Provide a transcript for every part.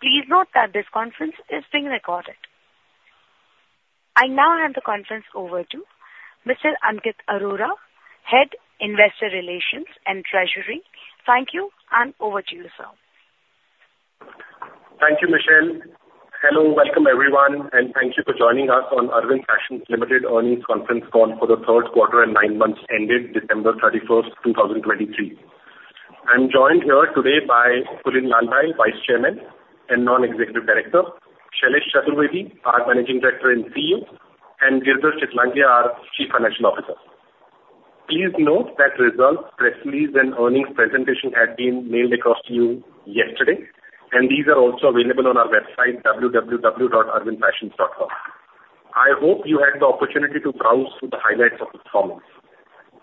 Please note that this conference is being recorded. I now hand the conference over to Mr. Ankit Arora, Head Investor Relations and Treasury. Thank you, and over to you, sir. Thank you, Michelle. Hello, welcome everyone, and thank you for joining us on Arvind Fashions Limited Earnings Conference call for the third quarter and nine months ended December 31, 2023. I'm joined here today by Kulin Lalbhai, Vice Chairman and Non-Executive Director; Shailesh Chaturvedi, our Managing Director and CEO; and Girdhar Chitlangia, our Chief Financial Officer. Please note that results, press release, and earnings presentation had been mailed across to you yesterday, and these are also available on our website, www.arvindfashions.com. I hope you had the opportunity to browse through the highlights of the performance.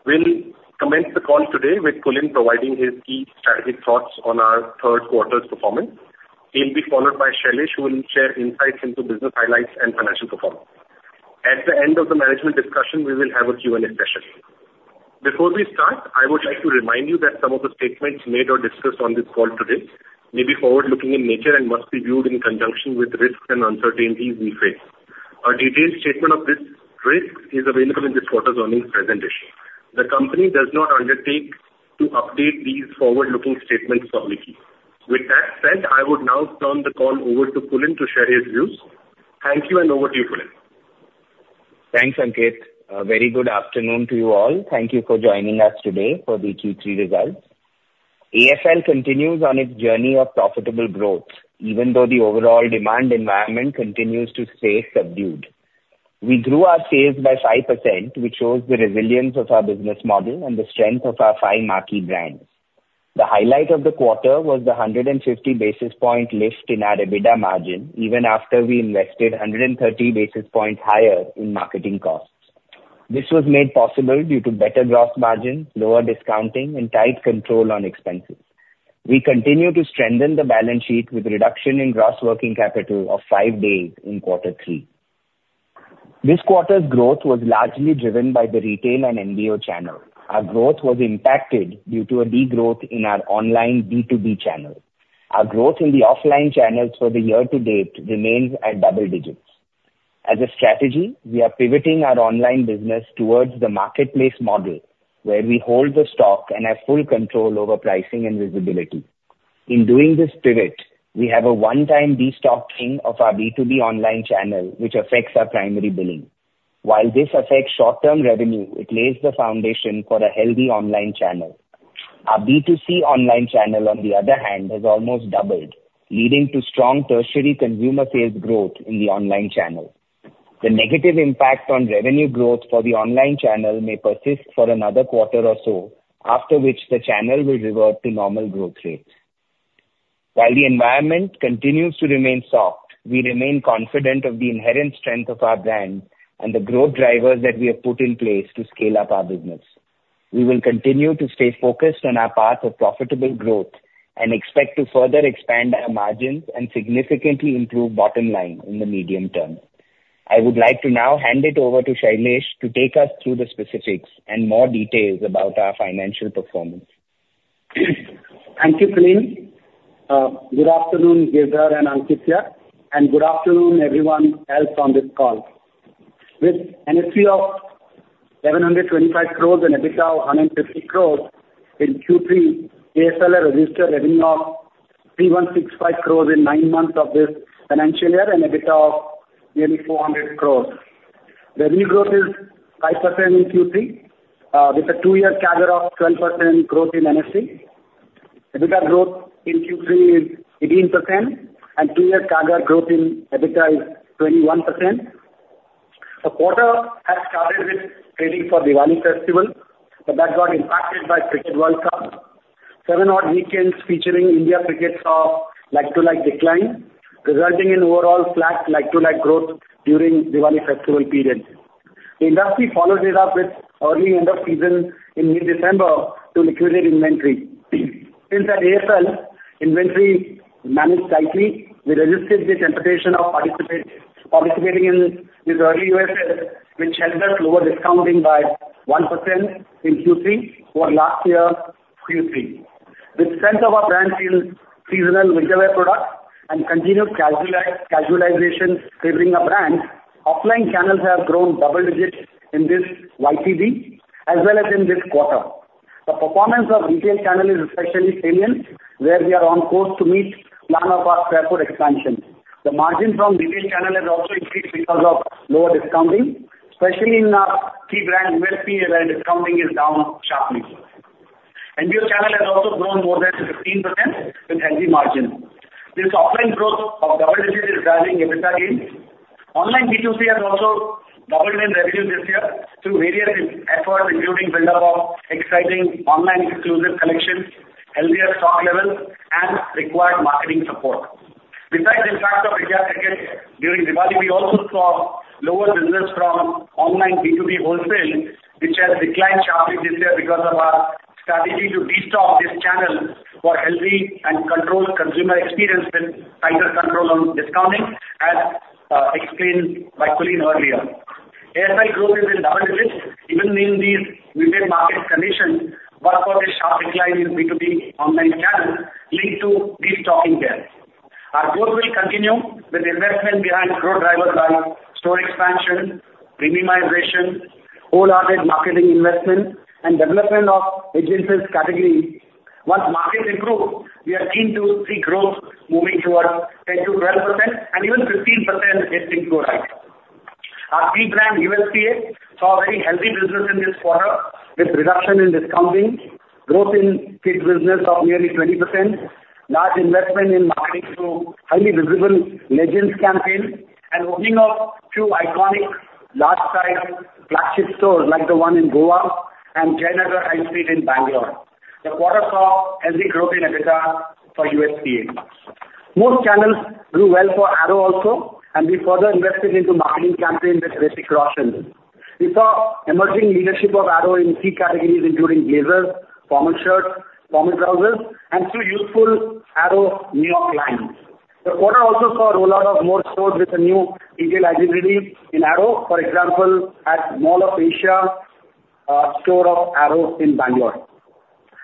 We'll commence the call today with Kulin providing his key strategic thoughts on our third quarter's performance. He'll be followed by Shailesh, who will share insights into business highlights and financial performance. At the end of the management discussion, we will have a Q&A session. Before we start, I would like to remind you that some of the statements made or discussed on this call today may be forward-looking in nature and must be viewed in conjunction with risks and uncertainties we face. A detailed statement of this risk is available in this quarter's earnings presentation. The company does not undertake to update these forward-looking statements publicly. With that said, I would now turn the call over to Kulin to share his views. Thank you, and over to you, Kulin. Thanks, Ankit. Very good afternoon to you all. Thank you for joining us today for the Q3 results. AFL continues on its journey of profitable growth, even though the overall demand environment continues to stay subdued. We grew our sales by 5%, which shows the resilience of our business model and the strength of our five marquee brands. The highlight of the quarter was the 150 basis point lift in our EBITDA margin, even after we invested 130 basis points higher in marketing costs. This was made possible due to better gross margins, lower discounting, and tight control on expenses. We continue to strengthen the balance sheet with reduction in gross working capital of five days in quarter three. This quarter's growth was largely driven by the retail and MBO channel. Our growth was impacted due to a degrowth in our online B2B channel. Our growth in the offline channels for the year-to-date remains at double digits. As a strategy, we are pivoting our online business towards the marketplace model, where we hold the stock and have full control over pricing and visibility. In doing this pivot, we have a one-time destocking of our B2B online channel, which affects our primary billing. While this affects short-term revenue, it lays the foundation for a healthy online channel. Our B2C online channel, on the other hand, has almost doubled, leading to strong tertiary consumer sales growth in the online channel. The negative impact on revenue growth for the online channel may persist for another quarter or so, after which the channel will revert to normal growth rates. While the environment continues to remain soft, we remain confident of the inherent strength of our brand and the growth drivers that we have put in place to scale up our business. We will continue to stay focused on our path of profitable growth and expect to further expand our margins and significantly improve bottom line in the medium term. I would like to now hand it over to Shailesh to take us through the specifics and more details about our financial performance. Thank you, Kulin. Good afternoon, Girdhar and Ankit, and good afternoon, everyone else on this call. With an NSV of 725 crores and EBITDA of 150 crores in Q3, AFL has registered revenue of 3,165 crores in nine months of this financial year and EBITDA of nearly 400 crores. Revenue growth is 5% in Q3, with a two-year CAGR of 12% growth in NSV. EBITDA growth in Q3 is 18%, and two-year CAGR growth in EBITDA is 21%. The quarter had started with trading for Diwali Festival, but that got impacted by Cricket World Cup. Seven-odd weekends featuring India Cricket saw like-to-like decline, resulting in overall flat like-to-like growth during Diwali Festival period. The industry followed it up with early end of season in mid-December to liquidate inventory. Since that, AFL inventory managed tightly. We resisted the temptation of participating in this early EOSS, which helped us lower discounting by 1% in Q3 over last year's Q3. With the strength of our brand's seasonal winterwear products and continued casualization favoring our brand, offline channels have grown double digits in this YTD as well as in this quarter. The performance of retail channel is especially salient, where we are on course to meet the plan of our square foot expansion. The margin from retail channel has also increased because of lower discounting, especially in our key brand USPA where discounting is down sharply. MBO channel has also grown more than 15% with healthy margins. This offline growth of double digits is driving EBITDA gains. Online B2C has also doubled in revenue this year through various efforts, including buildup of exciting online exclusive collections, healthier stock levels, and required marketing support. Besides the impact of India Cricket during Diwali, we also saw lower business from online B2B wholesale, which has declined sharply this year because of our strategy to destock this channel for healthy and controlled consumer experience with tighter control on discounting, as explained by Kulin earlier. AFL growth is in double digits even in these muted market conditions, but for this sharp decline in B2B online channel linked to destocking there. Our growth will continue with investment behind growth drivers like store expansion, premiumization, wholehearted marketing investment, and development of adjacent categories. Once markets improve, we are keen to see growth moving towards 10%-12%, and even 15% if things go right. Our key brand USPA saw very healthy business in this quarter with reduction in discounting, growth in kids' business of nearly 20%, large investment in marketing through highly visible legends campaign, and opening of two iconic large-sized flagship stores like the one in Goa and Jayanagar High Street in Bangalore. The quarter saw healthy growth in EBITDA for USPA. Most channels grew well for Arrow also, and we further invested into marketing campaigns with Hrithik Roshan. We saw emerging leadership of Arrow in key categories including blazers, formal shirts, formal trousers, and two useful Arrow New York lines. The quarter also saw a rollout of more stores with a new retail identity in Arrow, for example, at Mall of Asia store of Arrow in Bangalore.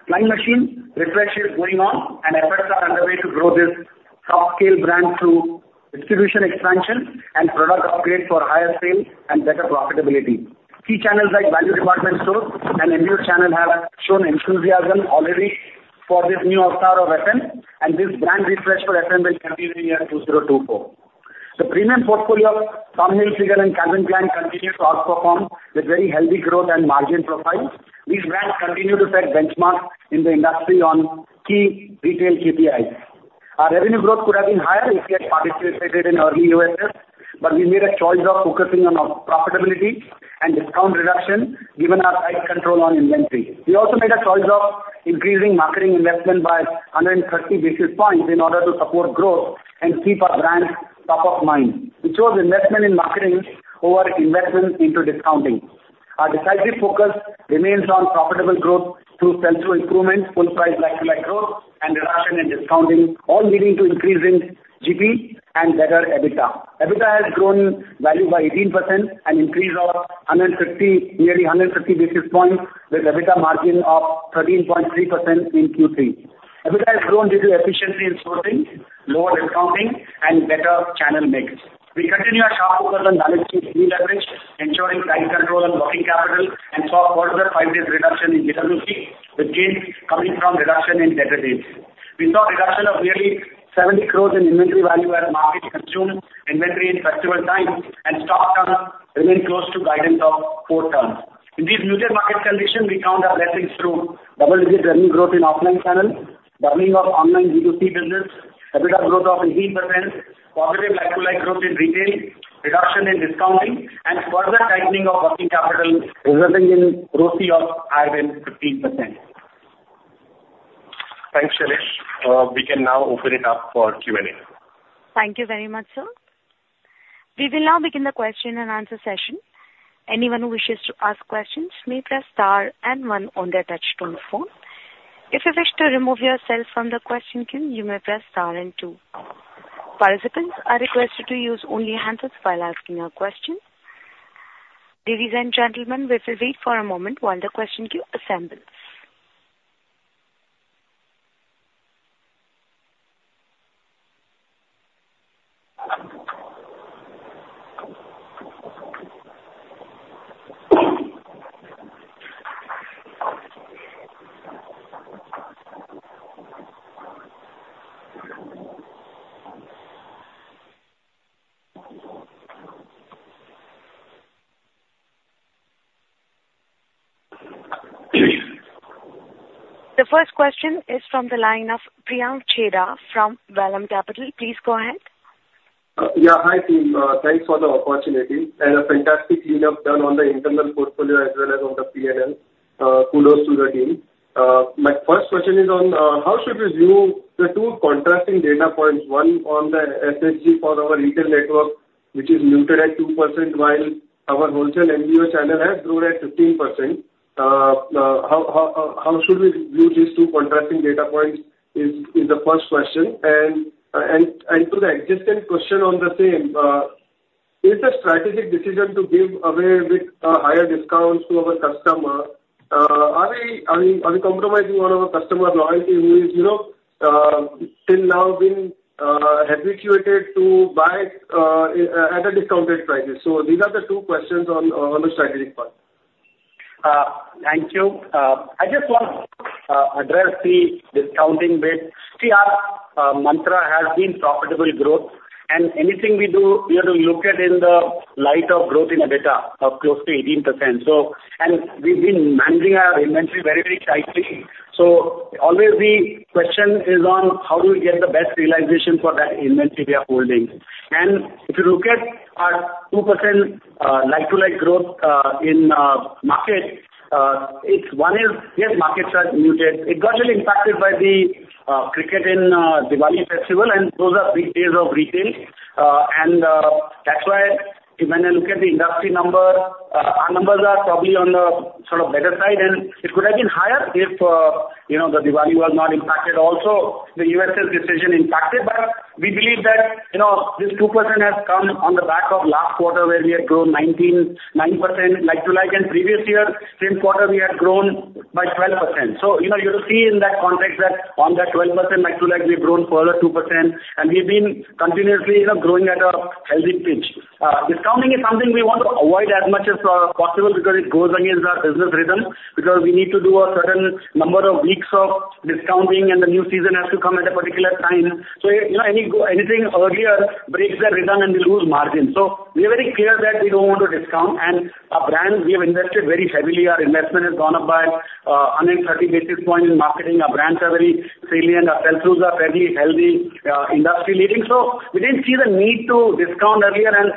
Flying Machine refresh is going on, and efforts are underway to grow this upscale brand through distribution expansion and product upgrades for higher sales and better profitability. Key channels like value department stores and MBO channel have shown enthusiasm already for this new all-star of FM, and this brand refresh for FM will continue year 2024. The premium portfolio of Tommy Hilfiger, Flying Machine, and Calvin Klein continue to outperform with very healthy growth and margin profiles. These brands continue to set benchmarks in the industry on key retail KPIs. Our revenue growth could have been higher if we had participated in early EOSS, but we made a choice of focusing on profitability and discount reduction given our tight control on inventory. We also made a choice of increasing marketing investment by 130 basis points in order to support growth and keep our brands top of mind, which shows investment in marketing over investment into discounting. Our decisive focus remains on profitable growth through sales improvement, full-price like-to-like growth, and reduction in discounting, all leading to increasing GP and better EBITDA. EBITDA has grown value by 18% and increased of nearly 150 basis points with EBITDA margin of 13.3% in Q3. EBITDA has grown due to efficiency in sourcing, lower discounting, and better channel mix. We continue our sharp focus on balance sheet re-leverage, ensuring tight control on working capital, and saw further five-day reduction in GWC with gains coming from reduction in debtor days. We saw a reduction of nearly 70 crores in inventory value as markets consumed inventory in festival time, and stock turns remained close to guidance of four turns. In these muted market conditions, we count our blessings through double-digit revenue growth in offline channel, doubling of online B2C business, EBITDA growth of 18%, positive like-to-like growth in retail, reduction in discounting, and further tightening of working capital, resulting in ROCE of higher than 15%. Thanks, Shailesh. We can now open it up for Q&A. Thank you very much, sir. We will now begin the question and answer session. Anyone who wishes to ask questions may press star and one on their touchscreen phone. If you wish to remove yourself from the question queue, you may press star and two. Participants are requested to use only hands while asking a question. Ladies and gentlemen, we will wait for a moment while the question queue assembles. The first question is from the line of Priyank Chheda from Vallum Capital. Please go ahead. Yeah, hi, team. Thanks for the opportunity. A fantastic cleanup done on the internal portfolio as well as on the P&L. Kudos to the team. My first question is, how should we view the two contrasting data points, one on the SSG for our retail network, which is muted at 2% while our wholesale MBO channel has grown at 15%? How should we view these two contrasting data points is the first question. To the existing question on the same, is the strategic decision to do away with higher discounts to our customer, are we compromising on our customer loyalty who has till now been habituated to buy at a discounted price? These are the two questions on the strategic part. Thank you. I just want to address the discounting bit. See, our Mantra has been profitable growth, and anything we do, we have to look at in the light of growth in EBITDA of close to 18%. And we've been managing our inventory very, very tightly. So always the question is on how do we get the best realization for that inventory we are holding. And if you look at our 2% like-to-like growth in market, one is, yes, markets are muted. It got really impacted by the cricket in Diwali Festival, and those are big days of retail. And that's why when I look at the industry number, our numbers are probably on the sort of better side, and it could have been higher if the Diwali was not impacted also, the EOSS decision impacted. We believe that this 2% has come on the back of last quarter where we had grown 9% like-to-like and previous year same quarter, we had grown by 12%. So you have to see in that context that on that 12% like-to-like, we've grown further 2%, and we've been continuously growing at a healthy pace. Discounting is something we want to avoid as much as possible because it goes against our business rhythm, because we need to do a certain number of weeks of discounting, and the new season has to come at a particular time. So anything earlier breaks the rhythm, and we lose margin. So we are very clear that we don't want to discount. And our brands, we have invested very heavily. Our investment has gone up by 130 basis points in marketing. Our brands are very salient. Our sales through is fairly healthy, industry-leading. So we didn't see the need to discount earlier, and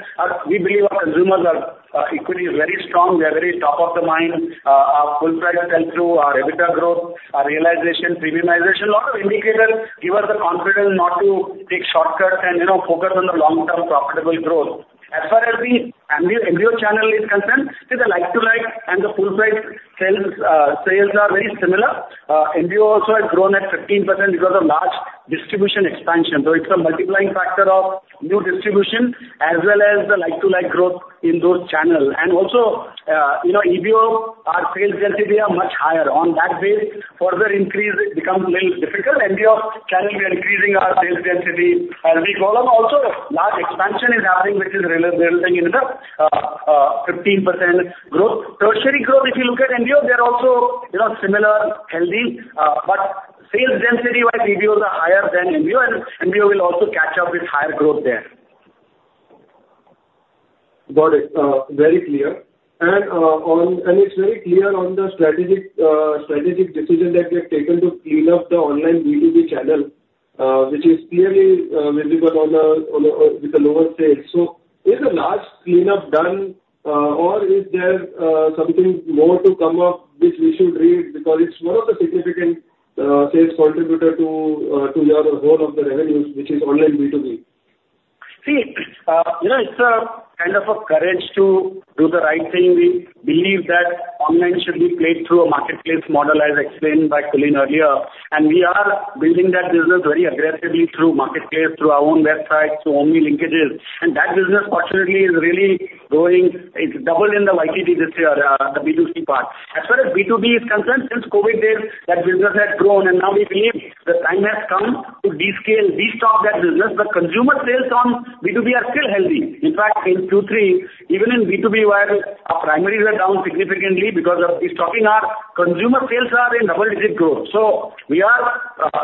we believe our consumers' equity is very strong. They are very top of the mind. Our full-price sell-through, our EBITDA growth, our realization, premiumization, a lot of indicators give us the confidence not to take shortcuts and focus on the long-term profitable growth. As far as the MBO channel is concerned, see, the like-to-like and the full-price sales are very similar. MBO also has grown at 15% because of large distribution expansion. So it's a multiplying factor of new distribution as well as the like-to-like growth in those channels. And also, EBO, our sales density are much higher. On that base, further increase becomes a little difficult. MBO channel, we are increasing our sales density as we go. And also, large expansion is happening, which is resulting in the 15% growth. Tertiary growth, if you look at MBO, they are also similar, healthy. But sales density-wise, EBOs are higher than MBO, and MBO will also catch up with higher growth there. Got it. Very clear. It's very clear on the strategic decision that we have taken to clean up the online B2B channel, which is clearly visible with the lower sales. So is a large cleanup done, or is there something more to come up which we should read? Because it's one of the significant sales contributors to your whole of the revenues, which is online B2B. See, it's kind of a courage to do the right thing. We believe that online should be played through a marketplace model as explained by Kulin earlier. And we are building that business very aggressively through marketplace, through our own website, through omni linkages. And that business, fortunately, is really growing. It's doubled in the YTD this year, the B2C part. As far as B2B is concerned, since COVID days, that business has grown. And now we believe the time has come to destock that business. The consumer sales on B2B are still healthy. In fact, in Q3, even in B2B, while our primaries are down significantly because of destocking, our consumer sales are in double-digit growth. So we are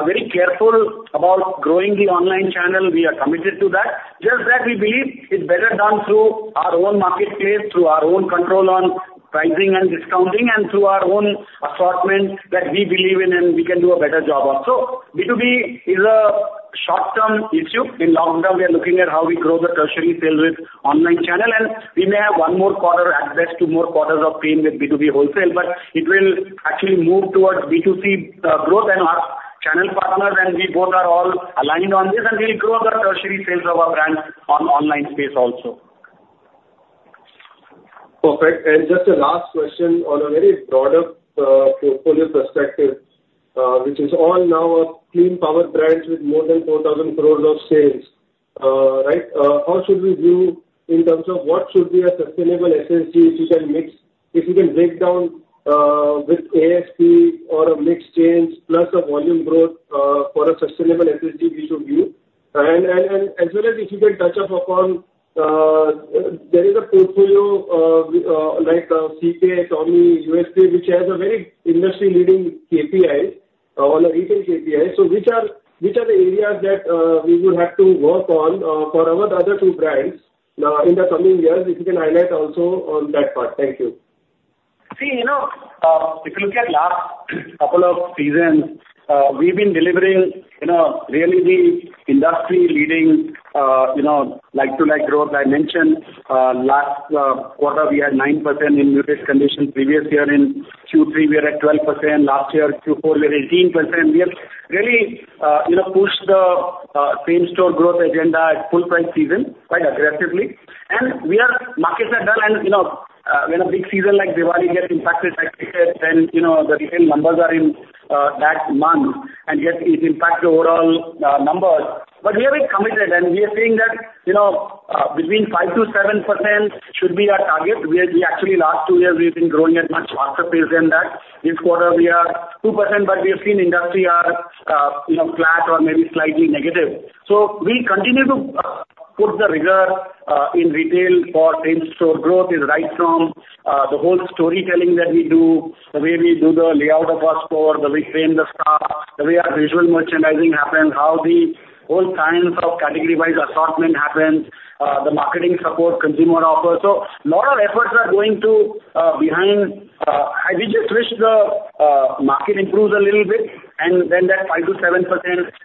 very careful about growing the online channel. We are committed to that. Just that we believe it's better done through our own marketplace, through our own control on pricing and discounting, and through our own assortment that we believe in, and we can do a better job of. So B2B is a short-term issue. In lockdown, we are looking at how we grow the tertiary sales with online channel. And we may have one more quarter, at best, two more quarters of pain with B2B wholesale. But it will actually move towards B2C growth and our channel partners. And we both are all aligned on this, and we will grow the tertiary sales of our brands on online space also. Perfect. And just a last question on a very broader portfolio perspective, which is all now a clean power brand with more than 4,000 crores of sales, right? How should we view in terms of what should be a sustainable SSG if you can mix if you can break down with ASP or a mixed change plus a volume growth for a sustainable SSG we should view? And as well as if you can touch upon, there is a portfolio like CK, Tommy, USP, which has a very industry-leading KPIs on a retail KPI. So which are the areas that we would have to work on for our other two brands in the coming years if you can highlight also on that part? Thank you. See, if you look at the last couple of seasons, we've been delivering really the industry-leading like-to-like growth. I mentioned last quarter, we had 9% in muted condition. Previous year, in Q3, we were at 12%. Last year, Q4, we were at 18%. We have really pushed the same-store growth agenda at full-price season quite aggressively. And markets are done. And when a big season like Diwali gets impacted like cricket, then the retail numbers are in that month, and yet it impacts the overall numbers. But we have been committed, and we are seeing that between 5%-7% should be our target. We actually, last two years, we've been growing at much faster pace than that. This quarter, we are 2%, but we have seen industry are flat or maybe slightly negative. So we continue to put the rigor in retail for same-store growth, right from the whole storytelling that we do, the way we do the layout of our store, the way we frame the stock, the way our visual merchandising happens, how the whole science of categorized assortment happens, the marketing support, consumer offer. So a lot of efforts are going behind. I just wish the market improves a little bit, and then that 5%-7%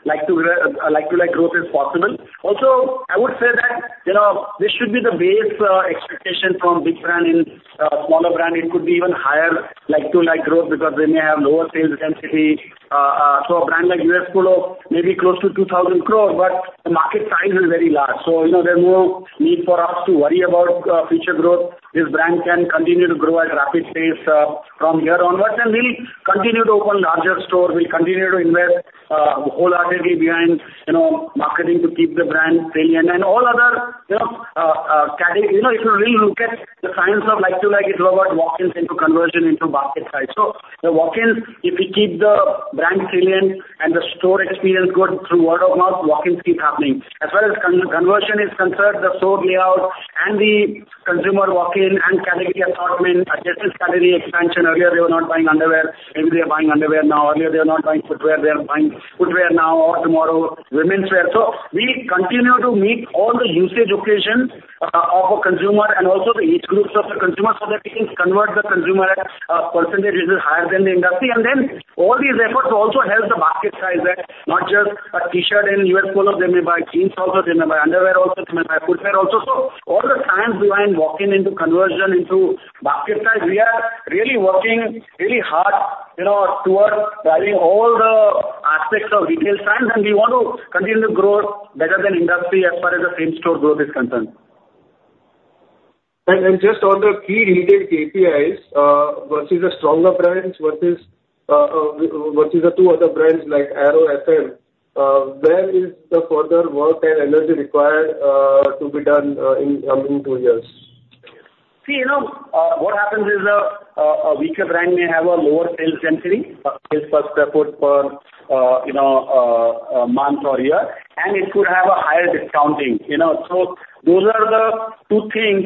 like-to-like growth is possible. Also, I would say that this should be the base expectation from big brand and smaller brand. It could be even higher like-to-like growth because they may have lower sales density. So a brand like U.S. Polo may be close to 2,000 crore, but the market size is very large. So there's no need for us to worry about future growth. This brand can continue to grow at rapid pace from here onwards, and we'll continue to open larger stores. We'll continue to invest wholeheartedly behind marketing to keep the brand salient. And all other if you really look at the science of like-to-like, it's all about walk-ins into conversion into basket size. So the walk-ins, if we keep the brand salient and the store experience good through word-of-mouth, walk-ins keep happening. As far as conversion is concerned, the store layout and the consumer walk-in and category assortment, adjacent category expansion. Earlier, they were not buying underwear. Maybe they are buying underwear now. Earlier, they were not buying footwear. They are buying footwear now or tomorrow, women's wear. We continue to meet all the usage occasions of a consumer and also the age groups of the consumer so that we can convert the consumer at a percentage which is higher than the industry. Then all these efforts also help the basket size that not just a T-shirt in U.S. Polo, they may buy jeans also. They may buy underwear also. They may buy footwear also. So all the science behind walk-in into conversion into basket size, we are really working really hard towards driving all the aspects of retail science. We want to continue to grow better than industry as far as the same-store growth is concerned. Just on the key retail KPIs versus the stronger brands versus the two other brands like Arrow FM, where is the further work and energy required to be done in coming two years? See, what happens is a weaker brand may have a lower sales density, sales per square foot per month or year, and it could have a higher discounting. So those are the two things.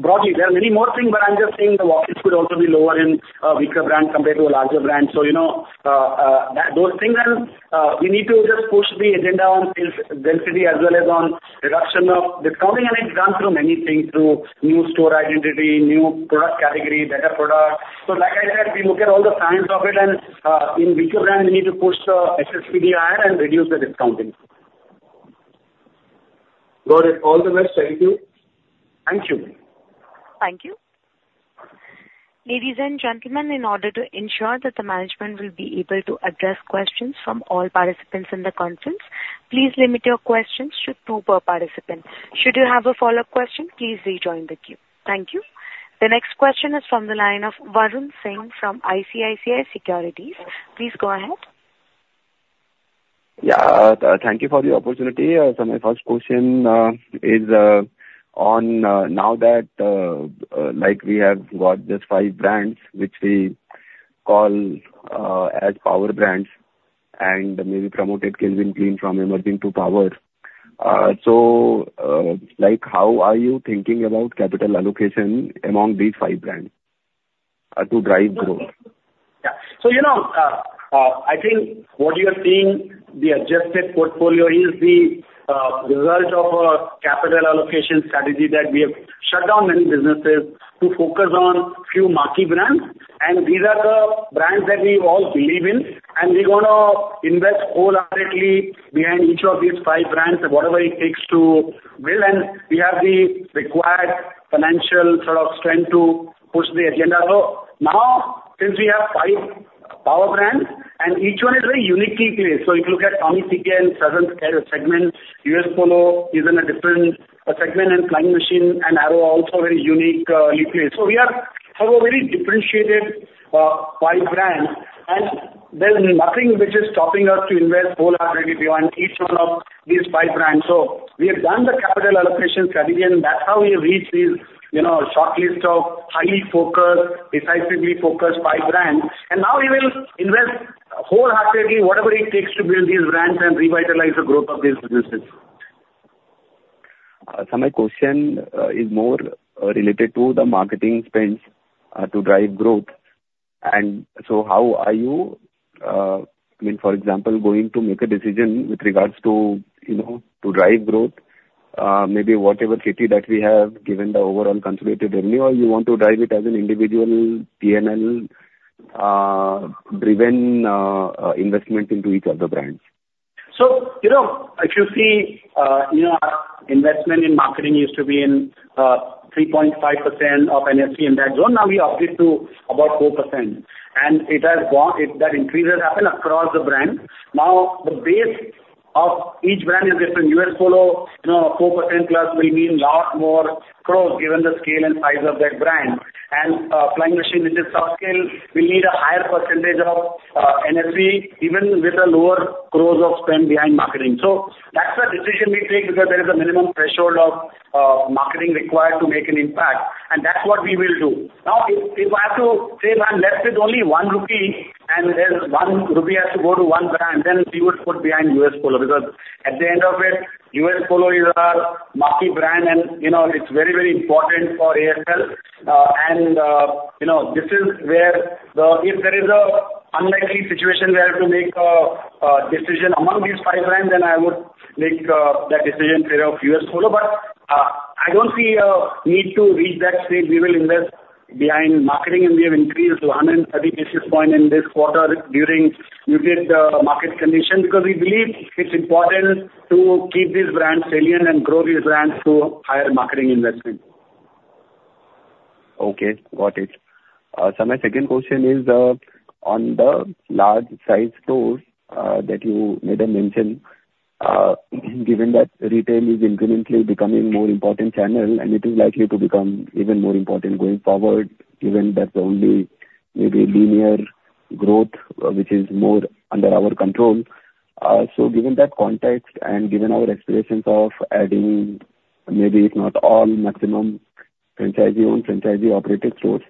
Broadly, there are many more things, but I'm just saying the walk-ins could also be lower in a weaker brand compared to a larger brand. So those things, and we need to just push the agenda on sales density as well as on reduction of discounting. And it's gone through many things through new store identity, new product category, better product. So like I said, we look at all the science of it. And in weaker brands, we need to push the SSPD higher and reduce the discounting. Got it. All the best. Thank you. Thank you. Thank you. Ladies and gentlemen, in order to ensure that the management will be able to address questions from all participants in the conference, please limit your questions to two per participant. Should you have a follow-up question, please rejoin the queue. Thank you. The next question is from the line of Varun Singh from ICICI Securities. Please go ahead. Yeah. Thank you for the opportunity. My first question is on now that we have got just five brands, which we call as power brands and maybe promoted Calvin Klein from emerging to power. How are you thinking about capital allocation among these five brands to drive growth? Yeah. So I think what you are seeing, the adjusted portfolio is the result of a capital allocation strategy that we have shut down many businesses to focus on few marquee brands. And these are the brands that we all believe in. And we're going to invest wholeheartedly behind each of these five brands, whatever it takes to build. And we have the required financial sort of strength to push the agenda. So now, since we have five power brands, and each one is very uniquely placed. So if you look at Tommy CK and certain segments, U.S. Polo is in a different segment, and Flying Machine and Arrow are also very uniquely placed. So we have a very differentiated five brands, and there's nothing which is stopping us to invest wholeheartedly behind each one of these five brands. We have done the capital allocation strategy, and that's how we have reached this shortlist of highly focused, decisively focused five brands. Now we will invest wholeheartedly, whatever it takes, to build these brands and revitalize the growth of these businesses. My question is more related to the marketing spends to drive growth. How are you, I mean, for example, going to make a decision with regards to drive growth, maybe whatever city that we have given the overall consolidated revenue, or you want to drive it as an individual P&L-driven investment into each of the brands? So if you see, our investment in marketing used to be 3.5% of NSV in that zone. Now we update to about 4%. That increase has happened across the brands. Now, the base of each brand is different. U.S. Polo, 4%+ will mean a lot more growth given the scale and size of that brand. Flying Machine, which is subscale, will need a higher percentage of NSV even with a lower growth of spend behind marketing. So that's a decision we take because there is a minimum threshold of marketing required to make an impact. That's what we will do. Now, if I have to say, "Man, let's with only 1 rupee, and then 1 rupee has to go to one brand," then we would put behind U.S. Polo because at the end of it, U.S. Polo is our marquee brand, and it's very, very important for AFL. This is where if there is an unlikely situation where I have to make a decision among these five brands, then I would make that decision favor of U.S. Polo. But I don't see a need to reach that stage. We will invest behind marketing, and we have increased to 130 basis points in this quarter during muted market condition because we believe it's important to keep these brands salient and grow these brands through higher marketing investment. Okay. Got it. So my second question is on the large-sized stores that you made a mention, given that retail is incrementally becoming a more important channel, and it is likely to become even more important going forward given that the only maybe linear growth, which is more under our control. So given that context and given our aspirations of adding maybe if not all, maximum, franchisee-owned, franchisee-operated stores,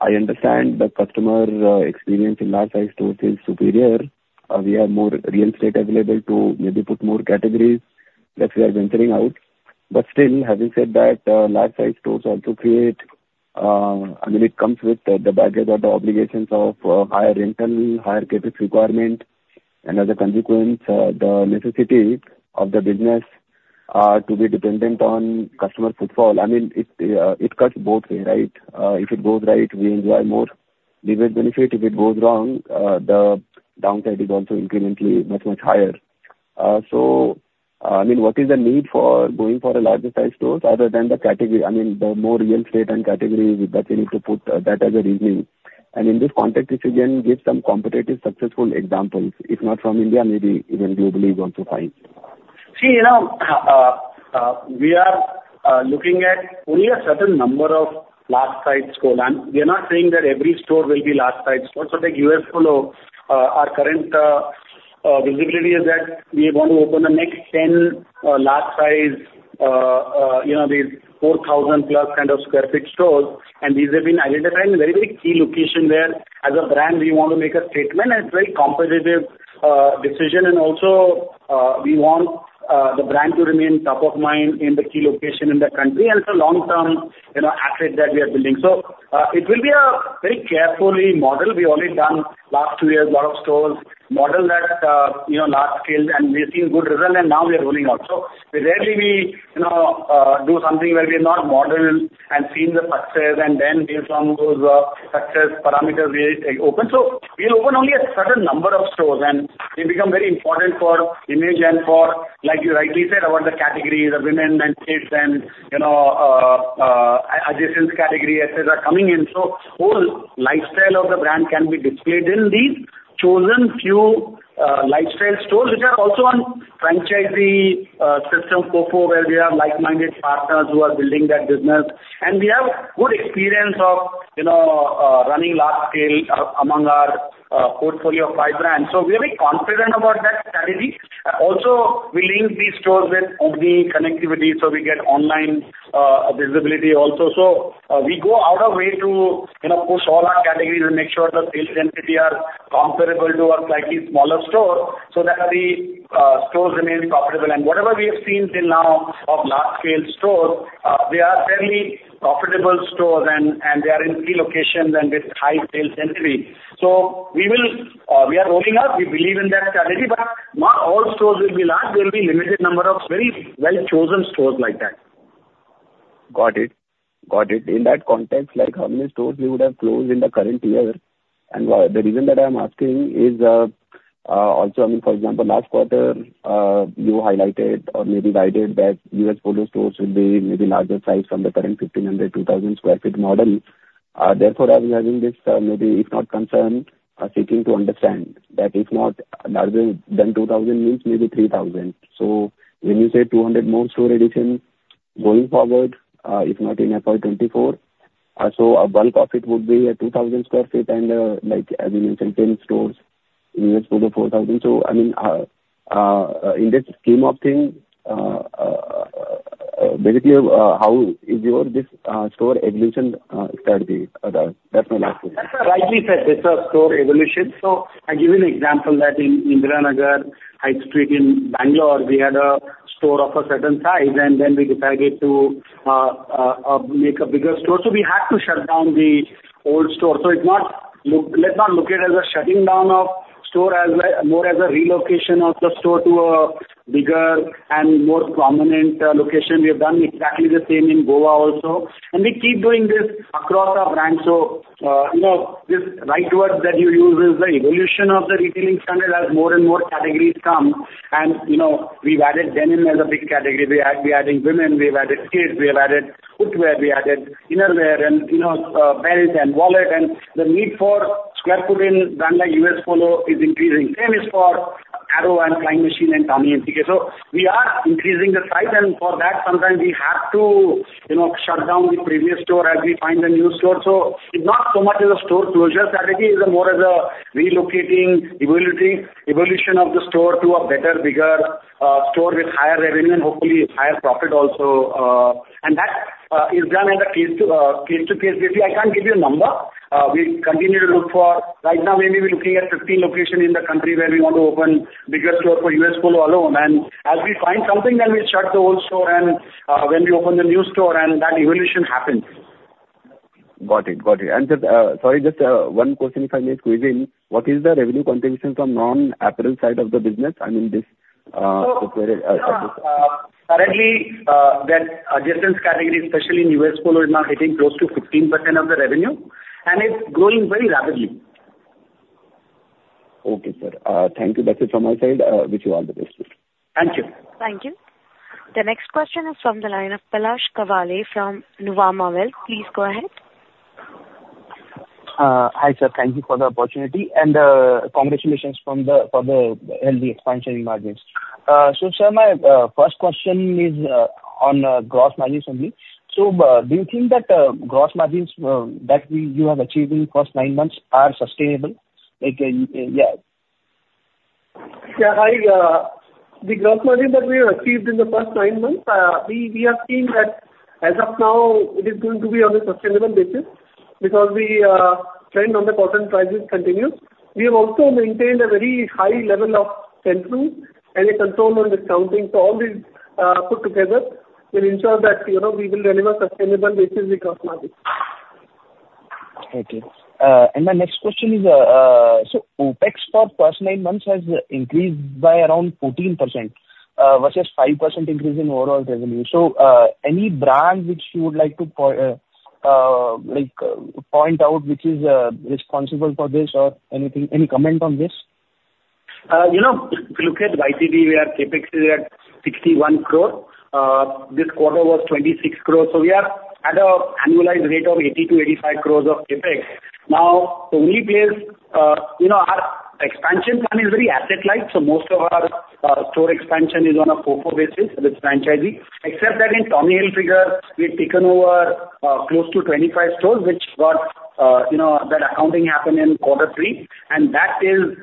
I understand the customer experience in large-sized stores is superior. We have more real estate available to maybe put more categories that we are venturing out. But still, having said that, large-sized stores also create I mean, it comes with the baggage of the obligations of higher rental, higher CapEx requirement. And as a consequence, the necessity of the business to be dependent on customer footfall, I mean, it cuts both ways, right? If it goes right, we enjoy more leverage benefit. If it goes wrong, the downside is also incrementally much, much higher. So I mean, what is the need for going for larger-sized stores other than the category? I mean, the more real estate and categories that we need to put that as a reasoning. And in this context, if you can give some competitive, successful examples, if not from India, maybe even globally, is also fine. See, we are looking at only a certain number of large-sized stores, and we are not saying that every store will be large-sized stores. So like U.S. Polo, our current visibility is that we want to open the next 10 large-sized, these 4,000+ kind of sq ft stores. And these have been identified in very, very key locations where as a brand, we want to make a statement. And it's a very competitive decision. And also, we want the brand to remain top of mind in the key location in the country and for long-term assets that we are building. So it will be a very carefully modeled. We already done last two years a lot of stores, modeled at large scale, and we have seen good results. And now we are rolling out. So rarely we do something where we have not modeled and seen the success, and then based on those success parameters, we open. So we'll open only a certain number of stores, and they become very important for image and for, like you rightly said about the categories, the women and kids and adjacent categories, etc., coming in. So whole lifestyle of the brand can be displayed in these chosen few lifestyle stores, which are also on franchisee system, FOFO, where we have like-minded partners who are building that business. And we have good experience of running large scale among our portfolio of five brands. So we are very confident about that strategy. Also, we link these stores with Omni connectivity so we get online visibility also. We go out of way to push all our categories and make sure the sales density is comparable to our slightly smaller store so that the stores remain profitable. Whatever we have seen till now of large-scale stores, they are fairly profitable stores, and they are in key locations and with high sales density. We are rolling out. We believe in that strategy. But not all stores will be large. There will be a limited number of very well-chosen stores like that. Got it. Got it. In that context, how many stores you would have closed in the current year? And the reason that I am asking is also, I mean, for example, last quarter, you highlighted or maybe guided that U.S. Polo stores would be maybe larger size from the current 1,500-2,000 sq ft model. Therefore, I was having this maybe if not concern, seeking to understand that if not larger than 2,000 means maybe 3,000. So when you say 200 more store additions going forward, if not in FY 2024, so a bulk of it would be a 2,000 sq ft. And as you mentioned, 10 stores in U.S. Polo, 4,000. So I mean, in this scheme of things, basically, how is your this store evolution strategy? That's my last question. That's rightly said. It's a store evolution. So I give you an example that in Indiranagar, High Street, in Bangalore, we had a store of a certain size, and then we decided to make a bigger store. So we had to shut down the old store. So let's not look at it as a shutting down of store as more as a relocation of the store to a bigger and more prominent location. We have done exactly the same in Goa also. And we keep doing this across our brands. So this right word that you use is the evolution of the retailing standard as more and more categories come. And we've added denim as a big category. We're adding women. We've added kids. We have added footwear. We added innerwear and belt and wallet. And the need for square foot in Bangalore, U.S. Polo, is increasing. Same is for Arrow and Flying Machine and Tommy and CK. So we are increasing the size. And for that, sometimes we have to shut down the previous store as we find a new store. So it's not so much as a store closure strategy. It's more as a relocating evolution of the store to a better, bigger store with higher revenue and hopefully higher profit also. And that is done as a case-to-case basis. I can't give you a number. We continue to look for right now, maybe we're looking at 15 locations in the country where we want to open a bigger store for U.S. Polo alone. And as we find something, then we shut the old store, and when we open the new store, and that evolution happens. Got it. Got it. Sorry, just one question if I may squeeze in. What is the revenue contribution from non-apparel side of the business? I mean, this is very. Currently, that adjacent category, especially in U.S. Polo, is now hitting close to 15% of the revenue. It's growing very rapidly. Okay, sir. Thank you. That's it from my side. Wish you all the best. Thank you. Thank you. The next question is from the line of Palash Kawale from Nuvama Wealth. Please go ahead. Hi, sir. Thank you for the opportunity. Congratulations for the healthy expansion in margins. Sir, my first question is on gross margins only. Do you think that gross margins that you have achieved in the first nine months are sustainable? Yeah. Yeah. Hi. The gross margin that we have achieved in the first nine months. We are seeing that as of now, it is going to be on a sustainable basis because the trend on the cotton prices continues. We have also maintained a very high level of discipline and a control on discounting. So all these put together will ensure that we will deliver sustainable basis in gross margins. Okay. My next question is so for the first nine months has increased by around 14% versus 5% increase in overall revenue. Any brand which you would like to point out which is responsible for this or any comment on this? If you look at YTD, we are CapEx. We are at 61 crore. This quarter was 26 crore. So we are at an annualized rate of 80 crore-85 crore of CapEx. Now, the only place our expansion plan is very asset-light. So most of our store expansion is on a FOFO basis with franchisee. Except that in Tommy Hilfiger, we have taken over close to 25 stores, which got that accounting happened in quarter three. And that is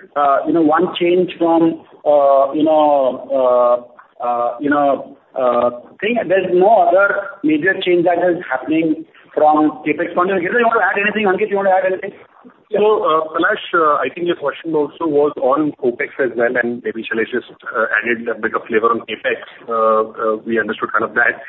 one change from a thing. There's no other major change that is happening from CapEx point of view. Girdhar, you want to add anything? Ankit, you want to add anything? So Palash, I think your question also was on CapEx as well. And maybe Shailesh just added a bit of flavor on OpEx. We understood kind of that.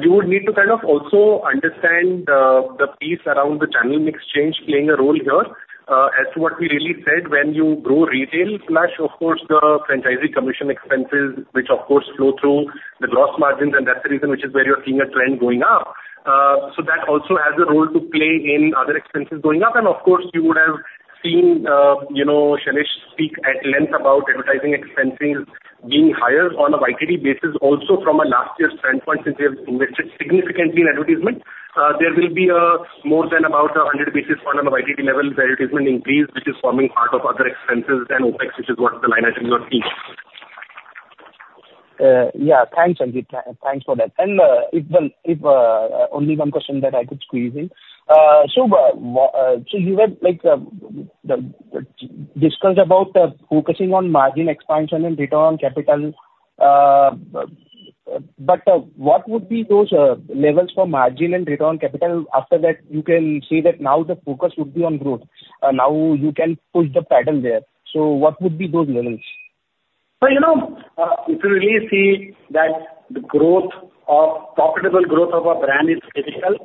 You would need to kind of also understand the piece around the channel mix change playing a role here as to what we really said. When you grow retail, Palash, of course, the franchisee commission expenses, which of course flow through the gross margins. And that's the reason which is where you're seeing a trend going up. So that also has a role to play in other expenses going up. And of course, you would have seen Shailesh speak at length about advertising expenses being higher on a YoY basis also from a last year's standpoint since we have invested significantly in advertisement. There will be more than about 100 basis points on a YTD level where advertisement increase, which is forming part of other expenses than OpEx, which is what the line item you are seeing. Yeah. Thanks, Ankit. Thanks for that. And if only one question that I could squeeze in. So you had discussed about focusing on margin expansion and return on capital. But what would be those levels for margin and return on capital after that? You can say that now the focus would be on growth. Now you can push the pedal there. So what would be those levels? If you really see that the profitable growth of a brand is critical.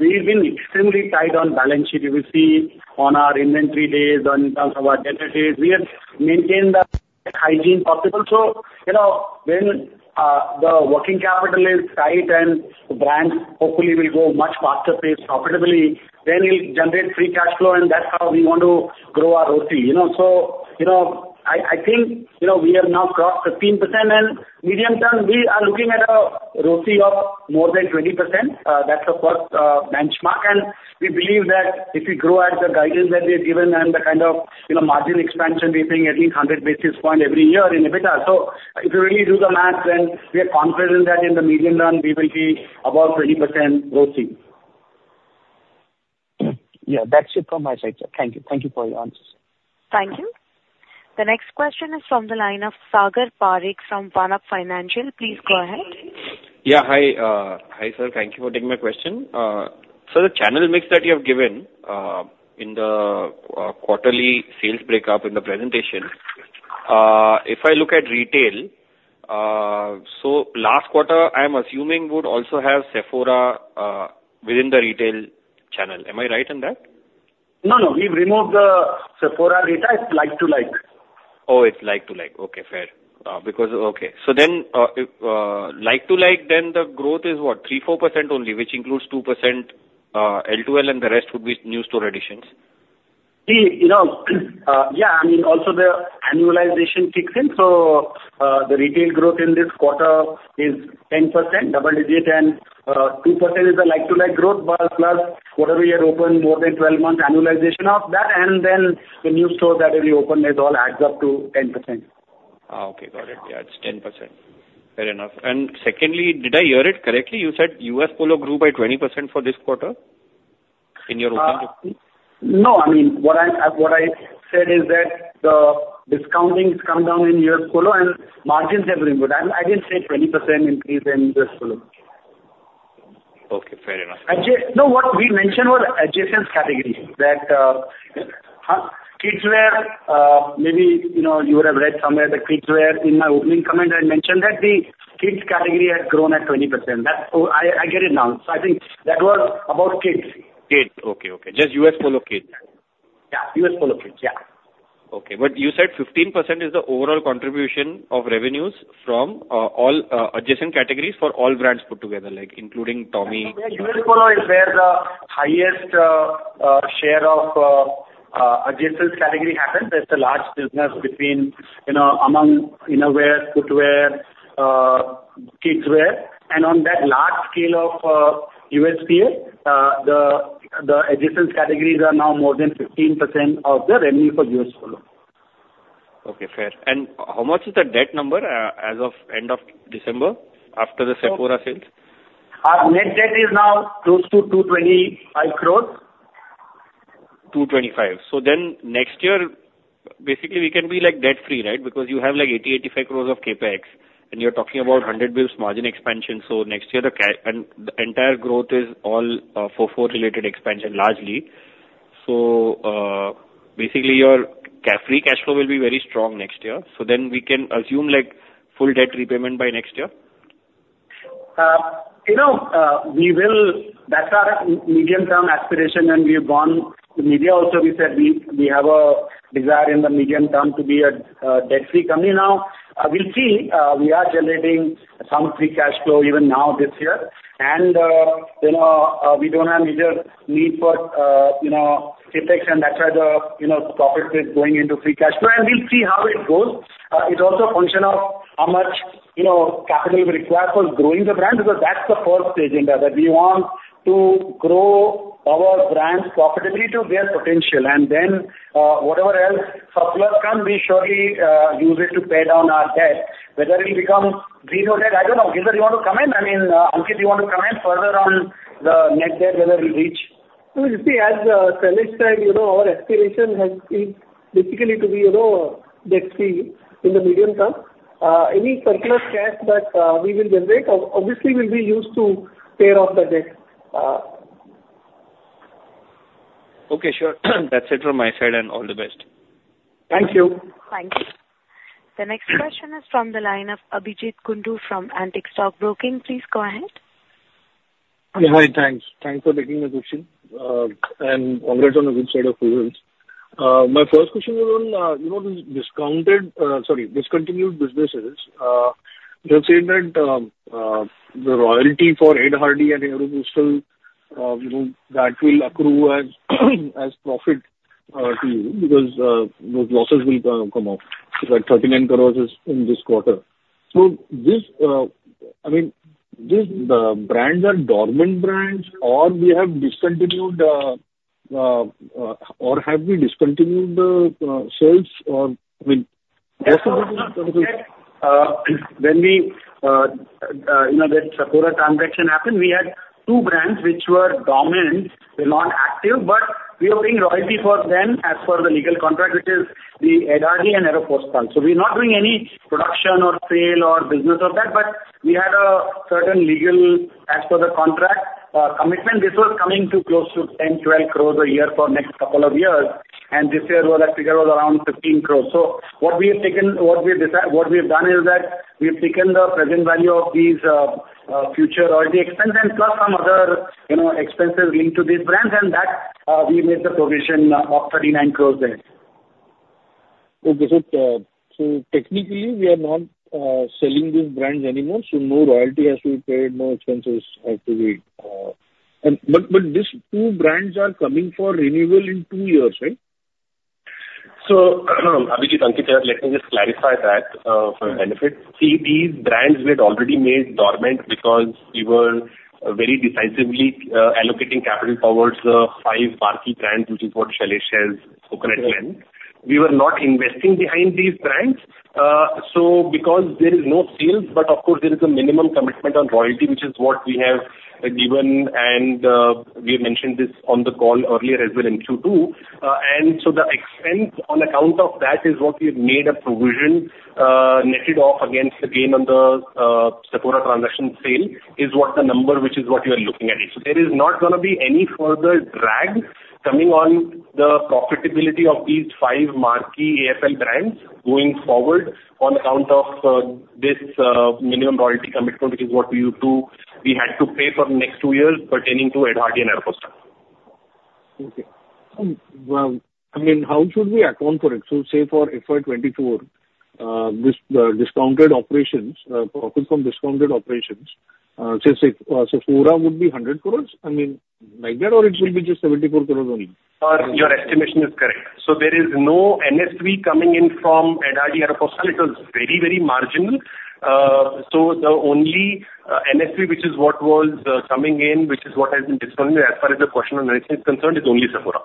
We've been extremely tight on balance sheet. You will see on our inventory days, in terms of our debtor days, we have maintained the hygiene possible. When the working capital is tight and the brand hopefully will go much faster pace profitably, then it'll generate free cash flow. That's how we want to grow our ROC. I think we have now crossed 15%. Medium-term, we are looking at a ROC of more than 20%. That's the first benchmark. We believe that if we grow at the guidance that we have given and the kind of margin expansion, we are seeing at least 100 basis points every year in EBITDA. So if you really do the math, then we are confident that in the medium term, we will be above 20% ROC. Yeah. That's it from my side, sir. Thank you. Thank you for your answers. Thank you. The next question is from the line of Sagar Parekh from Vanak Financial. Please go ahead. Yeah. Hi. Hi, sir. Thank you for taking my question. So the channel mix that you have given in the quarterly sales breakup in the presentation, if I look at retail so last quarter, I am assuming would also have Sephora within the retail channel. Am I right on that? No, no. We've removed the Sephora data. It's like-to-like. Oh, it's like-to-like. Okay, fair. Okay. So then like-to-like, then the growth is what? 3%-4% only, which includes 2% L2L, and the rest would be new store additions? See, yeah. I mean, also the annualization kicks in. So the retail growth in this quarter is 10%, double-digit, and 2% is the like-to-like growth plus quarterly year open more than 12 months annualization of that. And then the new store that we opened has all added up to 10%. Oh, okay. Got it. Yeah. It's 10%. Fair enough. And secondly, did I hear it correctly? You said U.S. Polo grew by 20% for this quarter in your opening? No. I mean, what I said is that the discounting has come down in U.S. Polo, and margins have improved. I didn't say 20% increase in U.S. Polo. Okay. Fair enough. No, what we mentioned was adjacent category, that kids wear. Maybe you would have read somewhere the kids wear. In my opening comment, I mentioned that the kids category had grown at 20%. I get it now. So I think that was about kids. Kids. Okay. Okay. Just U.S. Polo kids. Yeah. U.S. Polo kids. Yeah. Okay. But you said 15% is the overall contribution of revenues from adjacent categories for all brands put together, including Tommy. U.S. Polo is where the highest share of adjacent category happens. It's a large business among innerwear, footwear, kids wear. On that large scale of U.S. Polo, the adjacent categories are now more than 15% of the revenue for U.S. Polo. Okay. Fair. How much is the debt number as of end of December after the Sephora sales? Our net debt is now close to 225 crores. So then next year, basically, we can be debt-free, right? Because you have 80- 85 crore of CapEx, and you're talking about 100 basis points margin expansion. So next year, the entire growth is all AFL-related expansion largely. So basically, your free cash flow will be very strong next year. So then we can assume full debt repayment by next year? We will. That's our medium-term aspiration. And we have gone to media also. We said we have a desire in the medium term to be a debt-free company now. We'll see. We are generating some free cash flow even now this year. And we don't have major need for CapEx. And that's why the profit is going into free cash flow. And we'll see how it goes. It's also a function of how much capital we require for growing the brand because that's the first agenda that we want to grow our brand profitably to their potential. And then whatever else supplies come, we surely use it to pay down our debt, whether it'll become zero debt. I don't know. Girdhar, you want to come in? I mean, Ankit, you want to comment further on the net debt whether it'll reach? See, as Shailesh said, our aspiration is basically to be debt-free in the medium term. Any surplus cash that we will generate, obviously, will be used to pay off the debt. Okay. Sure. That's it from my side. And all the best. Thank you. Thank you. The next question is from the line of Abhijeet Kundu from Antique Stock Broking. Please go ahead. Yeah. Hi. Thanks. Thanks for taking my question. And congrats on the good side of results. My first question was on discounted, sorry, discontinued businesses. You have said that the royalty for Ed Hardy and Aeropostale, that will accrue as profit to you because those losses will come off. So that 39 crore is in this quarter. So I mean, the brands are dormant brands, or we have discontinued or have we discontinued the sales? I mean, possibly. When that Sephora transaction happened, we had two brands which were dominant. They're not active. But we are paying royalty for them as per the legal contract, which is the Ed Hardy and Aeropostale. So we're not doing any production or sale or business of that. But we had a certain legal as per the contract commitment. This was coming to close to 10-12 crore a year for the next couple of years. And this year, that figure was around 15 crore. So what we have taken what we have done is that we have taken the present value of these future royalty expenses and plus some other expenses linked to these brands. And that we made the provision of 39 crore there. So technically, we are not selling these brands anymore. So no royalty has to be paid. No expenses have to be. But these two brands are coming for renewal in two years, right? So Abhijit, Ankit, let me just clarify that for benefit. See, these brands, we had already made dormant because we were very decisively allocating capital towards the five power brands, which is what Shailesh has spoken at length. We were not investing behind these brands because there is no sales. But of course, there is a minimum commitment on royalty, which is what we have given. And we have mentioned this on the call earlier as well in Q2. And so the expense on account of that is what we have made a provision netted off against the gain on the Sephora transaction sale is the number which is what you are looking at. There is not going to be any further drag coming on the profitability of these five marquee AFL brands going forward on account of this minimum royalty commitment, which is what we had to pay for the next two years pertaining to Ed Hardy and Aeropostale. Okay. Well, I mean, how should we account for it? So say for FY 2024, the discontinued operations profit from discontinued operations, so Sephora would be 100 crore? I mean, like that, or it will be just 74 crore only? Your estimation is correct. So there is no NSV coming in from Ed Hardy, Aeropostale. It was very, very marginal. So the only NSV, which is what was coming in, which is what has been discounted as far as the question on anything is concerned, is only Sephora.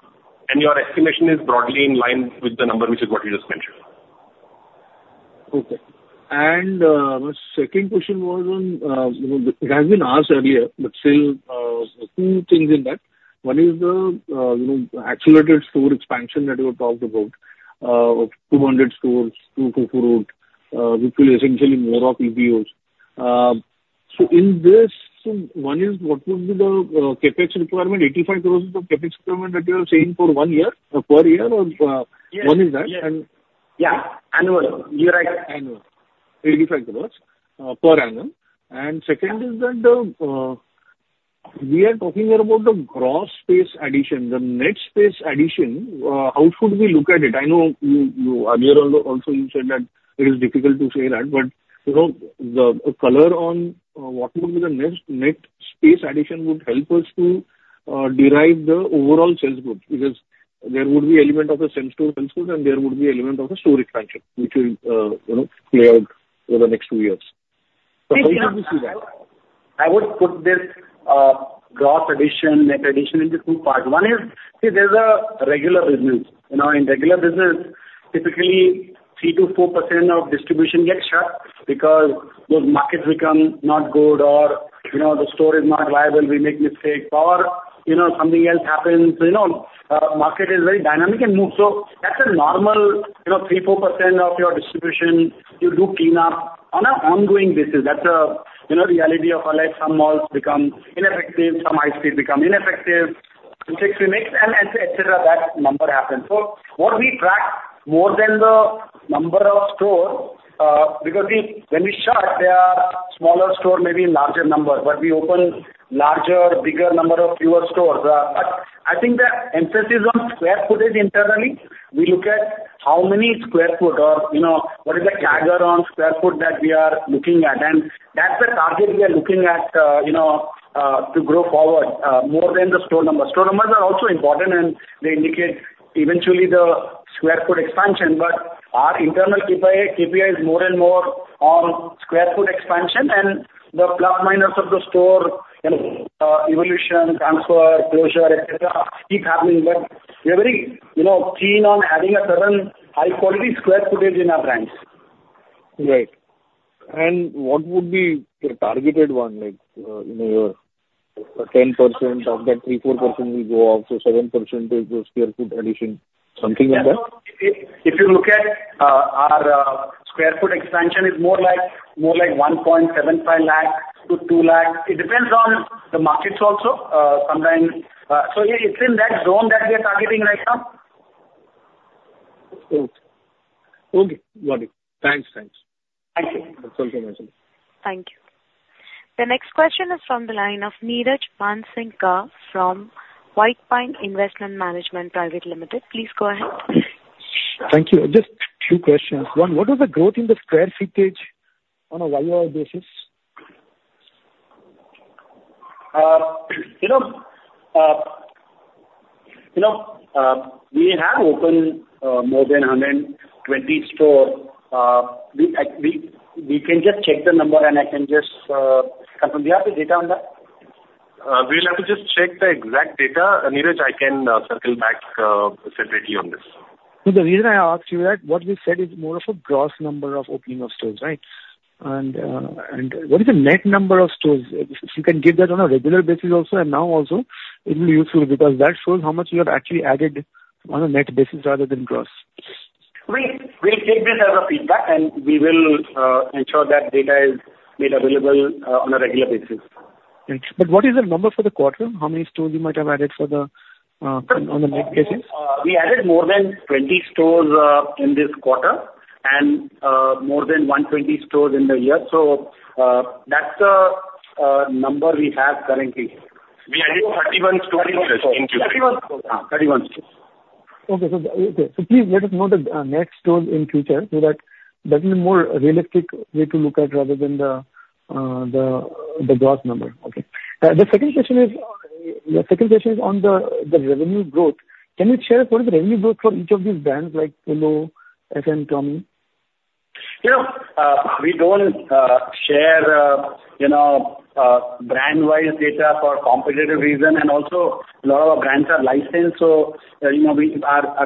And your estimation is broadly in line with the number, which is what you just mentioned. Okay. And my second question was on it has been asked earlier, but still, two things in that. One is the accelerated store expansion that you have talked about of 200 stores, 200, which will essentially be more of EBOs. So in this, one is what would be the CapEx requirement, 85 crores of CapEx requirement that you are saying for one year, per year? Or one is that? Yeah. Annual. You're right. Annual 85 crore per annum. Second is that we are talking here about the gross space addition, the net space addition. How should we look at it? I know you also said that it is difficult to say that. The color on what would be the net space addition would help us to derive the overall sales growth because there would be an element of the same store sales growth, and there would be an element of the store expansion, which will play out over the next two years. How should we see that? I would put this gross addition, net addition into two parts. One is, see, there's a regular business. In regular business, typically, 3%-4% of distribution gets shut because those markets become not good, or the store is not viable. We make mistakes, or something else happens. Market is very dynamic and moves. So that's a normal 3%-4% of your distribution. You do cleanup on an ongoing basis. That's a reality of our life. Some malls become ineffective. Some high streets become ineffective. It takes three weeks, etc. That number happens. So what we track more than the number of stores because when we shut, there are smaller stores, maybe larger numbers. But we open larger, bigger number of fewer stores. I think the emphasis on square footage internally, we look at how many square foot or what is the target on square foot that we are looking at. That's the target we are looking at to grow forward more than the store number. Store numbers are also important, and they indicate eventually the square foot expansion. Our internal KPI is more and more on square foot expansion. The plus-minus of the store, evolution, transfer, closure, etc., keep happening. We are very keen on having a certain high-quality square footage in our brands. Right. And what would be the targeted one? 10% of that 3%-4% will go off to 7% of the sq ft addition, something like that? If you look at our square foot expansion, it's more like 175,000-200,000 sq ft. It depends on the markets also. So it's in that zone that we are targeting right now. Okay. Got it. Thanks. Thanks. Thank you. That's all for my side. Thank you. The next question is from the line of Niraj Mansingka from White Pine Investment Management Private Limited. Please go ahead. Thank you. Just a few questions. One, what was the growth in the square footage on a YoY basis? We have opened more than 120 stores. We can just check the number, and I can just confirm. Do you have the data on that? We'll have to just check the exact data. Niraj, I can circle back separately on this. The reason I asked you that, what we said is more of a gross number of opening of stores, right? What is the net number of stores? If you can give that on a regular basis also, and now also, it will be useful because that shows how much you have actually added on a net basis rather than gross. We'll take this as feedback, and we will ensure that data is made available on a regular basis. Right. What is the number for the quarter? How many stores you might have added on a net basis? We added more than 20 stores in this quarter and more than 120 stores in the year. So that's the number we have currently. We added 31 stores in Q2. 31 stores. Yeah. 31 stores. Okay. Okay. So please let us know the net stores in future so that that is a more realistic way to look at rather than the gross number. Okay. The second question is on the revenue growth. Can you share what is the revenue growth for each of these brands, like Polo, FM, Tommy? We don't share brand-wise data for competitive reasons. A lot of our brands are licensed. Our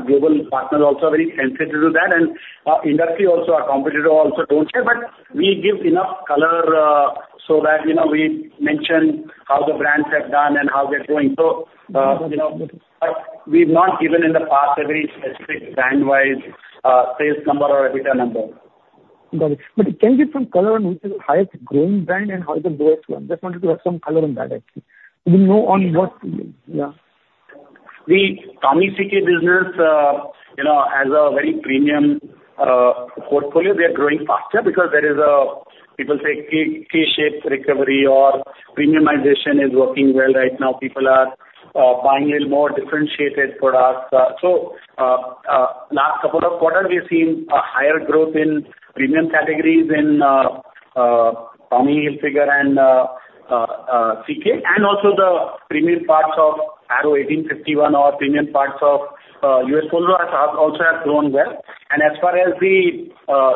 global partners also are very sensitive to that. The industry also, our competitors also don't share. We give enough color so that we mention how the brands have done and how they're growing. We've not given in the past a very specific brand-wise sales number or EBITDA number. Got it. But can you give some color on which is the highest growing brand and how is the lowest one? Just wanted to have some color on that, actually. We know on what yeah. The Tommy CK business, as a very premium portfolio, they are growing faster because there is, people say, K-shaped recovery or premiumization is working well right now. People are buying a little more differentiated products. Last couple of quarters, we've seen a higher growth in premium categories in Tommy Hilfiger and CK. Also, the premium parts of Arrow 1851 or premium parts of U.S. Polo also have grown well. As far as the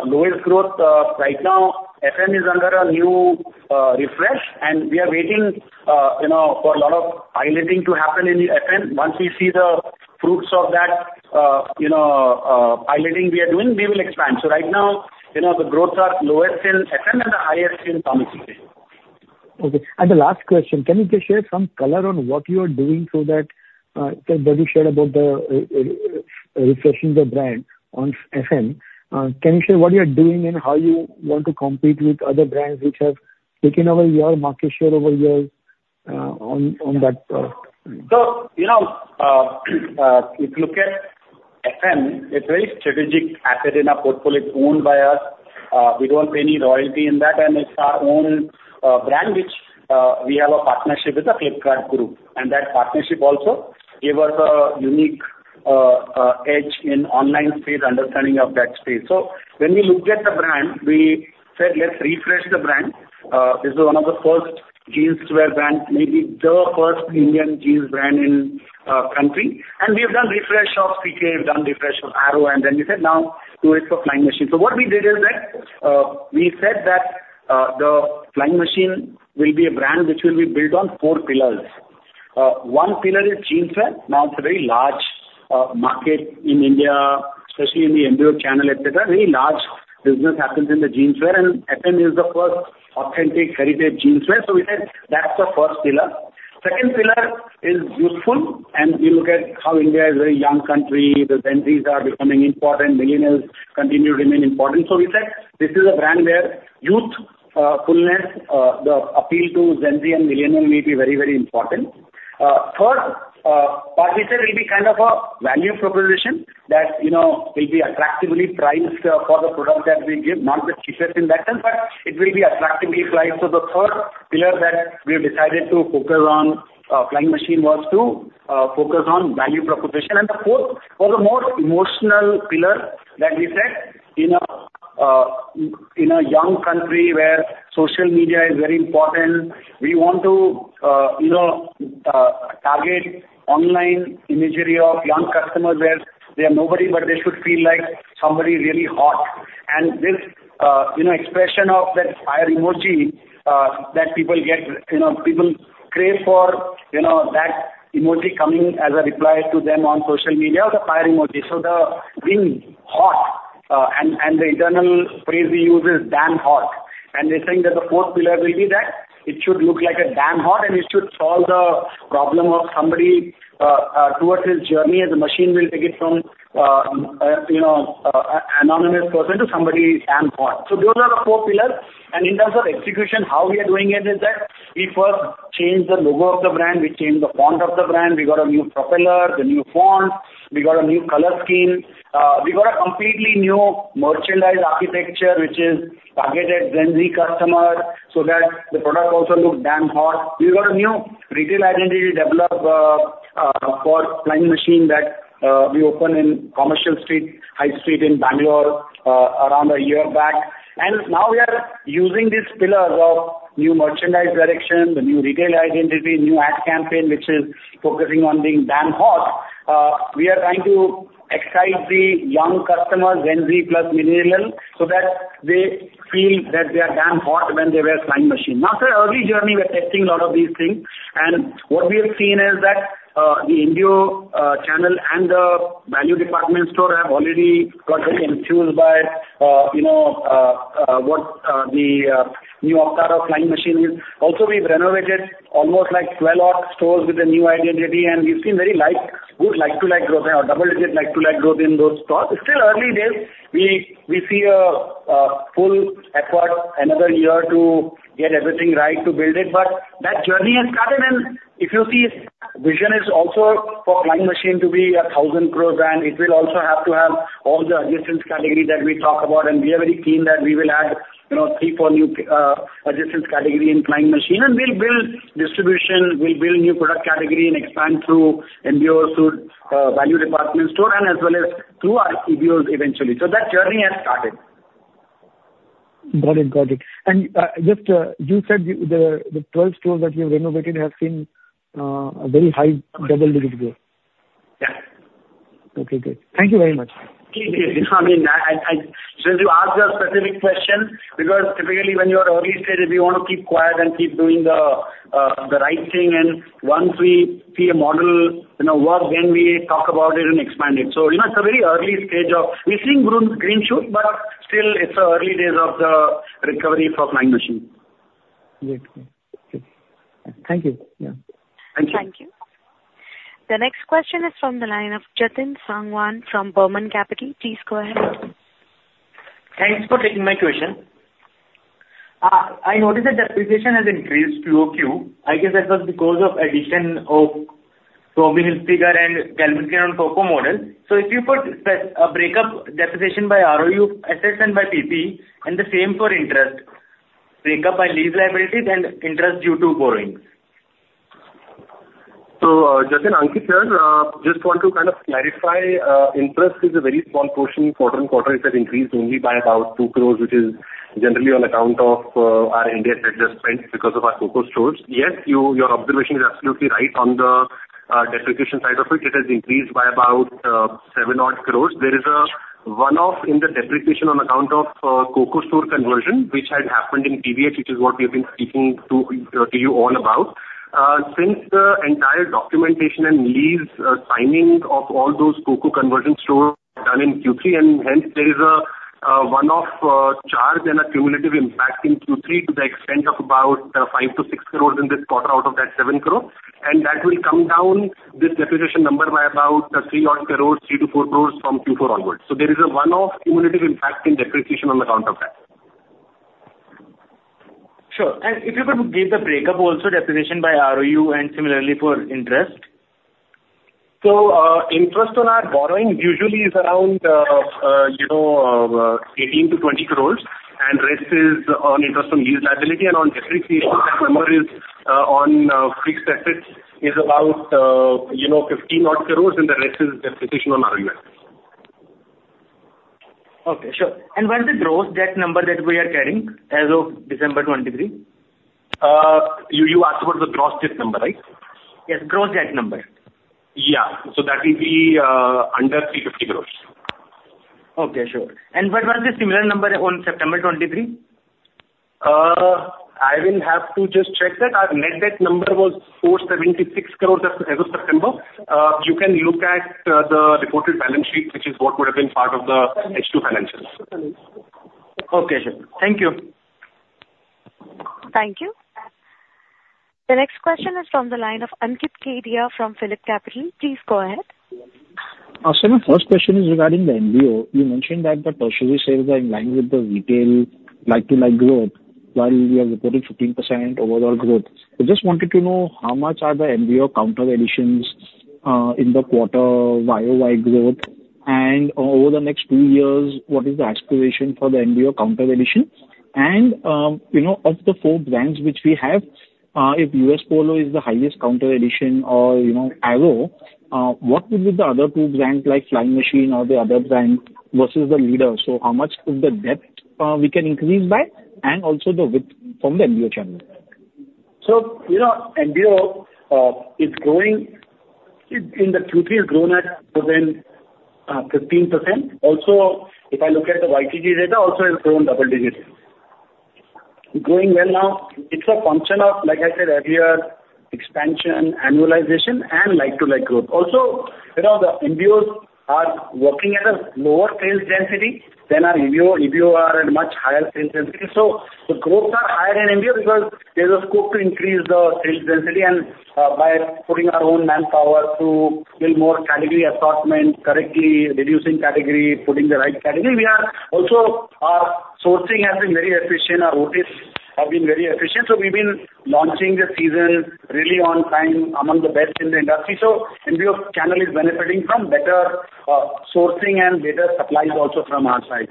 lowest growth right now, FM is under a new refresh. We are waiting for a lot of piloting to happen in FM. Once we see the fruits of that piloting we are doing, we will expand. Right now, the growths are lowest in FM and the highest in Tommy CK. Okay. And the last question, can you just share some color on what you are doing so that what you shared about refreshing the brand on FM, can you share what you are doing and how you want to compete with other brands which have taken over your market share over years on that? So if you look at FM, it's a very strategic asset in our portfolio owned by us. We don't pay any royalty in that. And it's our own brand which we have a partnership with the Flipkart Group. And that partnership also gave us a unique edge in online space, understanding of that space. So when we looked at the brand, we said, "Let's refresh the brand." This is one of the first jeanswear brands, maybe the first Indian jeans brand in the country. And we have done refresh of CK. We've done refresh of Arrow. And then we said, "Now do it for Flying Machine." So what we did is that we said that the Flying Machine will be a brand which will be built on four pillars. One pillar is jeanswear. Now, it's a very large market in India, especially in the EBO channel, etc. A very large business happens in the jeanswear. And FM is the first authentic heritage jeanswear. So we said that's the first pillar. Second pillar is youthful. And we look at how India is a very young country. The Gen Zs are becoming important. Millennials continue to remain important. So we said this is a brand where youthfulness, the appeal to Gen Z and millennials may be very, very important. Third part, we said it will be kind of a value proposition that will be attractively priced for the product that we give, not the cheapest in that sense, but it will be attractively priced. So the third pillar that we have decided to focus on Flying Machine was to focus on value proposition. And the fourth was a more emotional pillar that we said in a young country where social media is very important. We want to target online imagery of young customers where they are nobody, but they should feel like somebody really hot. And this expression of that fire emoji that people get—people crave for that emoji coming as a reply to them on social media, the fire emoji. So the being hot and the internal phrase we use is damn hot. And we're saying that the fourth pillar will be that it should look like damn hot, and it should solve the problem of somebody towards his journey as Flying Machine will take it from anonymous person to somebody damn hot. So those are the four pillars. In terms of execution, how we are doing it is that we first changed the logo of the brand. We changed the font of the brand. We got a new propeller, the new font. We got a new color scheme. We got a completely new merchandise architecture, which is targeted Gen Z customer so that the product also looks damn hot. We got a new retail identity developed for Flying Machine that we opened in Commercial Street, High Street in Bangalore around a year back. And now, we are using these pillars of new merchandise direction, the new retail identity, new ad campaign, which is focusing on being damn hot. We are trying to excite the young customers, Gen Z plus millennials, so that they feel that they are damn hot when they wear Flying Machine. Now, it's an early journey. We're testing a lot of these things. And what we have seen is that the EBO channel and the value department stores have already got very enthused by what the new avatar of Flying Machine is. Also, we've renovated almost 12-odd stores with a new identity. We've seen very good like-to-like growth or double-digit like-to-like growth in those stores. It's still early days. We see a full effort another year to get everything right to build it. But that journey has started. And if you see the vision is also for Flying Machine to be an 1,000 crore brand, it will also have to have all the extension categories that we talk about. And we are very keen that we will add 3-4 new extension categories in Flying Machine. And we'll build distribution. We'll build new product categories and expand through MBOs value department store and as well as through our EBOs eventually. So that journey has started. Got it. Got it. Just you said the 12 stores that you have renovated have seen a very high double-digit growth. Yeah. Okay. Good. Thank you very much. Thank you. I mean, since you asked a specific question because typically, when you're early stage, if you want to keep quiet and keep doing the right thing, and once we see a model work, then we talk about it and expand it. So it's a very early stage of we're seeing green shoot, but still, it's early days of the recovery for Flying Machine. Right. Thank you. Yeah. Thank you. Thank you. The next question is from the line of Jatin Sangwan from Burman Capital. Please go ahead. Thanks for taking my question. I noticed that depreciation has increased to 80. I guess that was because of addition of Tommy Hilfiger and Calvin Klein on COCO model. So if you put a breakup depreciation by ROU assets and by PPE, and the same for interest, breakup by lease liabilities and interest due to borrowing. So Jatin, Ankit here, just want to kind of clarify. Interest is a very small portion quarter-on-quarter. It has increased only by about 2 crore, which is generally on account of our India-centered spend because of our COCO stores. Yes, your observation is absolutely right. On the depreciation side of it, it has increased by about 7-odd crore. There is a one-off in the depreciation on account of COCO store conversion, which had happened in PVH, which is what we've been speaking to you all about. Since the entire documentation and lease signing of all those COCO conversion stores were done in Q3, and hence, there is a one-off charge and a cumulative impact in Q3 to the extent of about 5-6 crore in this quarter out of that 7 crore. That will come down this depreciation number by about 3-odd crores, 3-4 crores from Q4 onwards. So there is a one-off cumulative impact in depreciation on account of that. Sure. If you were to give the break-up also, depreciation by ROU and similarly for interest. Interest on our borrowing usually is around 18-20 crores. The rest is interest on lease liability. On depreciation, that number on fixed assets is about 15-odd crores. The rest is depreciation on ROU assets. Okay. Sure. And what's the gross debt number that we are carrying as of December 23? You asked about the gross debt number, right? Yes. Gross debt number. Yeah. So that will be under 350 crore. Okay. Sure. What was the similar number on September 23? I will have to just check that. Our net debt number was 476 crore as of September. You can look at the reported balance sheet, which is what would have been part of the H2 financials. Okay. Sure. Thank you. Thank you. The next question is from the line of Ankit Kedia from Phillip Capital. Please go ahead. Sir, my first question is regarding the MBO. You mentioned that the tertiary sales are in line with the retail like-to-like growth while we have reported 15% overall growth. So I just wanted to know how much are the MBO contributions in the quarter YoY growth? And over the next two years, what is the aspiration for the MBO contribution? And of the four brands which we have, if U.S. Polo is the highest contribution or Arrow, what would be the other two brands like Flying Machine or the other brand versus the leader? So how much of the depth we can increase by and also the width from the MBO channel? So MBO is growing. In the Q3, it's grown at more than 15%. Also, if I look at the YTD data, also it's grown double digits. Growing well now. It's a function of, like I said earlier, expansion, annualization, and like-to-like growth. Also, the MBOs are working at a lower sales density than our EBO. EBO are at much higher sales density. So the growths are higher in MBO because there's a scope to increase the sales density. And by putting our own manpower to build more category assortment, correctly reducing category, putting the right category, we also our sourcing has been very efficient. Our OTs have been very efficient. So we've been launching the season really on time among the best in the industry. So MBO channel is benefiting from better sourcing and better supplies also from our side.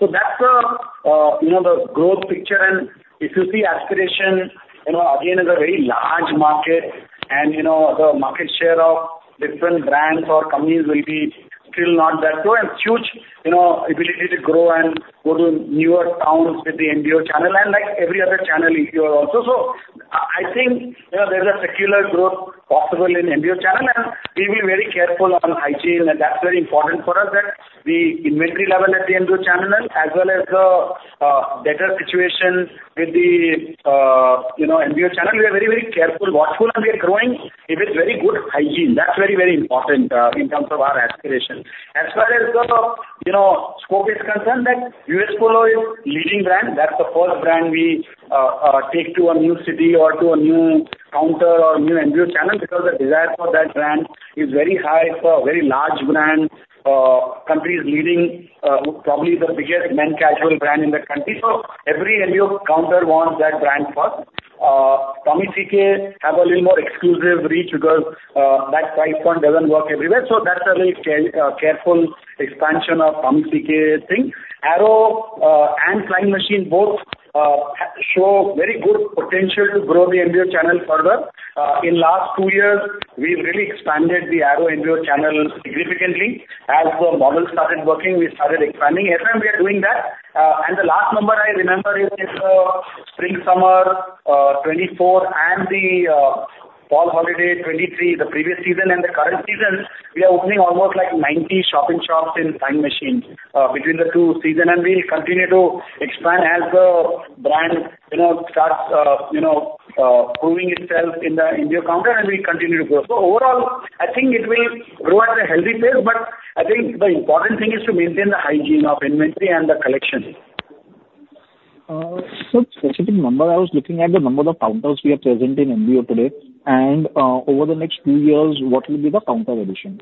So that's the growth picture. If you see aspiration, again, it's a very large market. The market share of different brands or companies will be still not that low and huge ability to grow and go to newer towns with the MBO channel and every other channel EBO also. So I think there's a secular growth possible in MBO channel. We will be very careful on hygiene. That's very important for us, that the inventory level at the MBO channel as well as the better situation with the MBO channel, we are very, very careful, watchful, and we are growing with very good hygiene. That's very, very important in terms of our aspiration. As far as the scope is concerned, U.S. Polo is a leading brand. That's the first brand we take to a new city or to a new counter or new MBO channel because the desire for that brand is very high. It's a very large brand. Country is leading, probably the biggest man-casual brand in the country. So every MBO counter wants that brand first. Tommy CK has a little more exclusive reach because that price point doesn't work everywhere. So that's a very careful expansion of Tommy CK thing. Arrow and Flying Machine both show very good potential to grow the MBO channel further. In the last two years, we've really expanded the Arrow MBO channel significantly. As the model started working, we started expanding. FM, we are doing that. The last number I remember is in the Spring-Summer 2024 and the Fall-Holiday 2023, the previous season and the current season, we are opening almost 90 shop-in-shops in Flying Machine between the two seasons. We'll continue to expand as the brand starts proving itself in the MBO counter, and we continue to grow. Overall, I think it will grow at a healthy pace. But I think the important thing is to maintain the hygiene of inventory and the collection. Specific number, I was looking at the number of counters we are present in MBO today. Over the next two years, what will be the counter addition?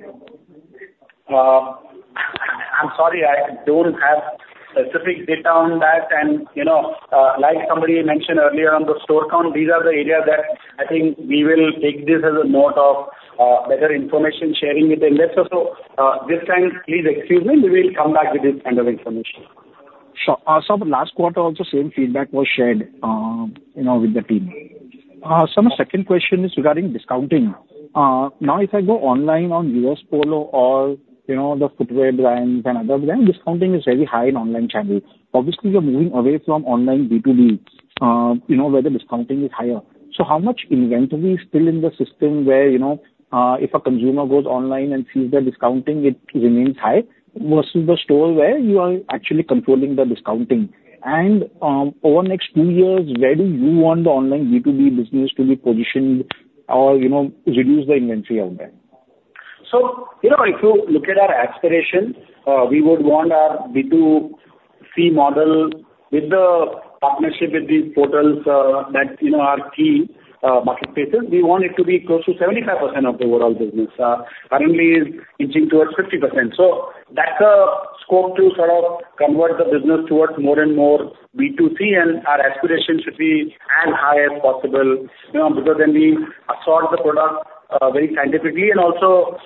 I'm sorry. I don't have specific data on that. Like somebody mentioned earlier on the store count, these are the areas that I think we will take this as a note of better information sharing with the investors. This time, please excuse me. We will come back with this kind of information. Sure. Sir, last quarter also, same feedback was shared with the team. Sir, my second question is regarding discounting. Now, if I go online on U.S. Polo or the footwear brands and other brands, discounting is very high in online channels. Obviously, you're moving away from online B2B where the discounting is higher. So how much inventory is still in the system where if a consumer goes online and sees the discounting, it remains high versus the store where you are actually controlling the discounting? And over the next two years, where do you want the online B2B business to be positioned or reduce the inventory out there? So if you look at our aspiration, we would want our B2C model with the partnership with these portals that are key marketplaces. We want it to be close to 75% of the overall business. Currently, it's inching towards 50%. So that's a scope to sort of convert the business towards more and more B2C. And our aspiration should be as high as possible because then we assort the product very scientifically. And also,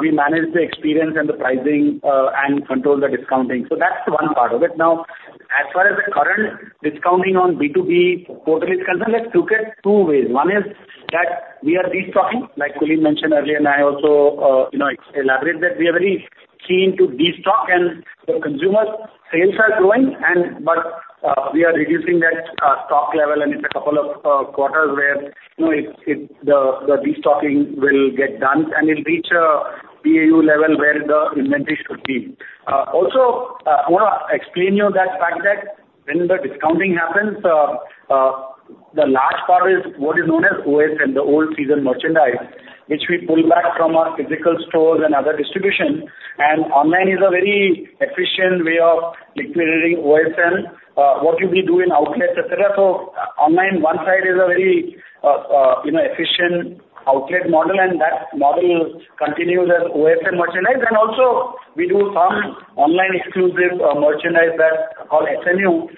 we manage the experience and the pricing and control the discounting. So that's one part of it. Now, as far as the current discounting on B2B portal is concerned, let's look at two ways. One is that we are destocking. Like Kulin mentioned earlier, and I also elaborated that we are very keen to destock. And the consumer sales are growing, but we are reducing that stock level. It's a couple of quarters where the destocking will get done, and it'll reach a BAU level where the inventory should be. Also, I want to explain to you that fact that when the discounting happens, the large part is what is known as OSM, the old season merchandise, which we pull back from our physical stores and other distribution. Online is a very efficient way of liquidating OSM, what you will be doing in outlets, etc. Online, one side is a very efficient outlet model. And that model continues as OSM merchandise. Also, we do some online exclusive merchandise that's called SMU,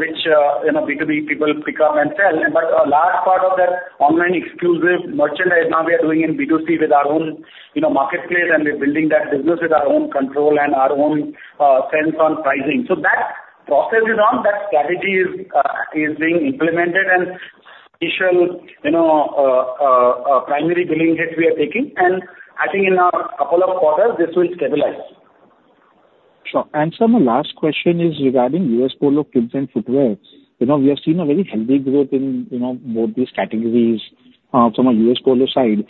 which B2B people pick up and sell. But a large part of that online exclusive merchandise, now we are doing in B2C with our own marketplace. We're building that business with our own control and our own sense on pricing. So that process is on. That strategy is being implemented. Initial primary billing hit we are taking. And I think in a couple of quarters, this will stabilize. Sure. And Sir, my last question is regarding U.S. Polo kids and footwear. We have seen a very healthy growth in both these categories from a U.S. Polo side.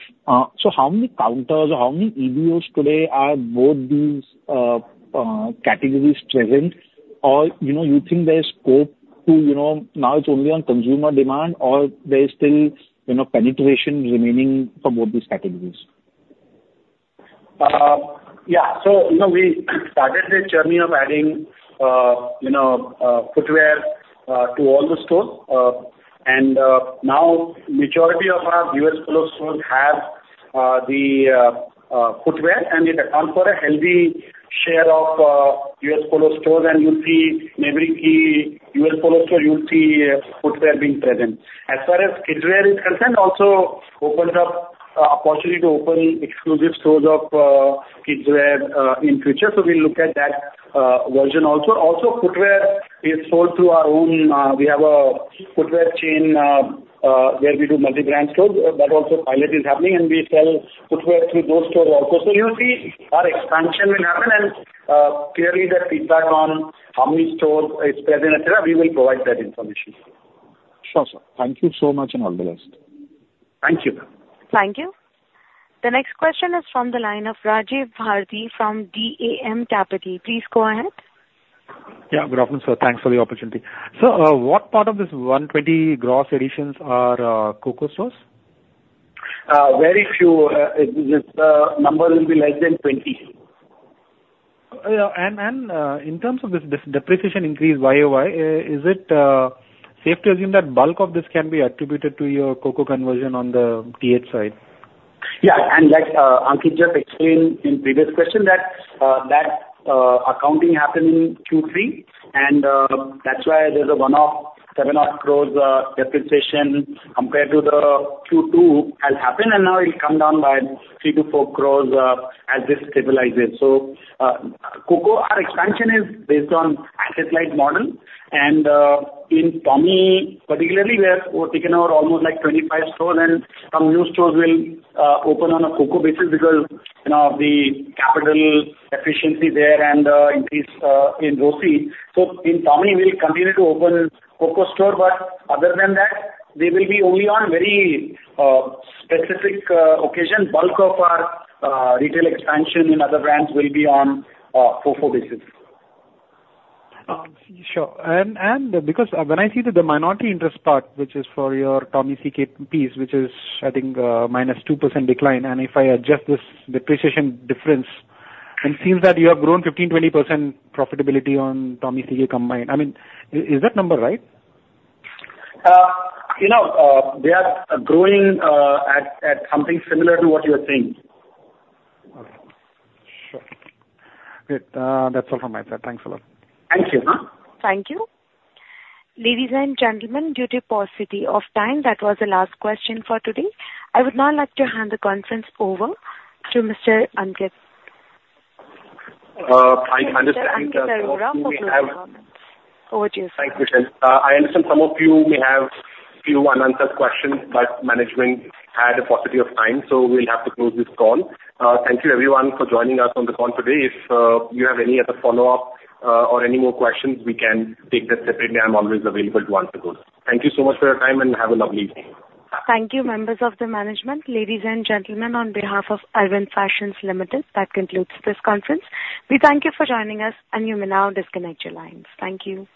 So how many counters or how many EBOs today are both these categories present? Or you think there's scope to now it's only on consumer demand, or there's still penetration remaining for both these categories? Yeah. So we started the journey of adding footwear to all the stores. And now, the majority of our U.S. Polo stores have the footwear. And it accounts for a healthy share of U.S. Polo stores. And you'll see in every key U.S. Polo store, you'll see footwear being present. As far as kids' wear is concerned, it also opens up opportunity to open exclusive stores of kids' wear in future. So we'll look at that version also. Also, footwear is sold through our own we have a footwear chain where we do multi-brand stores. But also, pilot is happening. And we sell footwear through those stores also. So you'll see our expansion will happen. And clearly, that feedback on how many stores it's present, etc., we will provide that information. Sure, sir. Thank you so much, and all the best. Thank you. Thank you. The next question is from the line of Rajiv Bharati from DAM Capital. Please go ahead. Yeah. Good afternoon, sir. Thanks for the opportunity. Sir, what part of this 120 gross additions are COCO stores? Very few. The number will be less than 20. In terms of this depreciation increase YoY, is it safe to assume that bulk of this can be attributed to your COCO conversion on the TH side? Yeah. Like Ankit just explained in the previous question, that accounting happened in Q3. That's why there's a one-off 7-odd crore depreciation compared to the Q2 has happened. Now, it'll come down by 3-4 crore as this stabilizes. Our expansion is based on an asset-like model. In Tommy particularly, we have taken over almost 25 stores. Some new stores will open on a COCO basis because of the capital efficiency there and the increase in ROCE. In Tommy, we'll continue to open COCO stores. But other than that, they will be only on very specific occasions. Bulk of our retail expansion in other brands will be on a COCO basis. Sure. And because when I see the minority interest part, which is for your Tommy CK piece, which is, I think, -2% decline. And if I adjust this depreciation difference, it seems that you have grown 15%-20% profitability on Tommy CK combined. I mean, is that number right? We are growing at something similar to what you are saying. Okay. Sure. Great. That's all from my side. Thanks a lot. Thank you. Thank you. Ladies and gentlemen, due to paucity of time, that was the last question for today. I would now like to hand the conference over to Mr. Ankit. I understand that some of you have. Mr. Ankit, I will wrap up your comments. Over to you, sir. Thank you, sir. I understand some of you may have a few unanswered questions. But management had a paucity of time, so we'll have to close this call. Thank you, everyone, for joining us on the call today. If you have any other follow-up or any more questions, we can take that separately. I'm always available to answer those. Thank you so much for your time, and have a lovely evening. Thank you, members of the management. Ladies and gentlemen, on behalf of Arvind Fashions Limited, that concludes this conference. We thank you for joining us. You may now disconnect your lines. Thank you.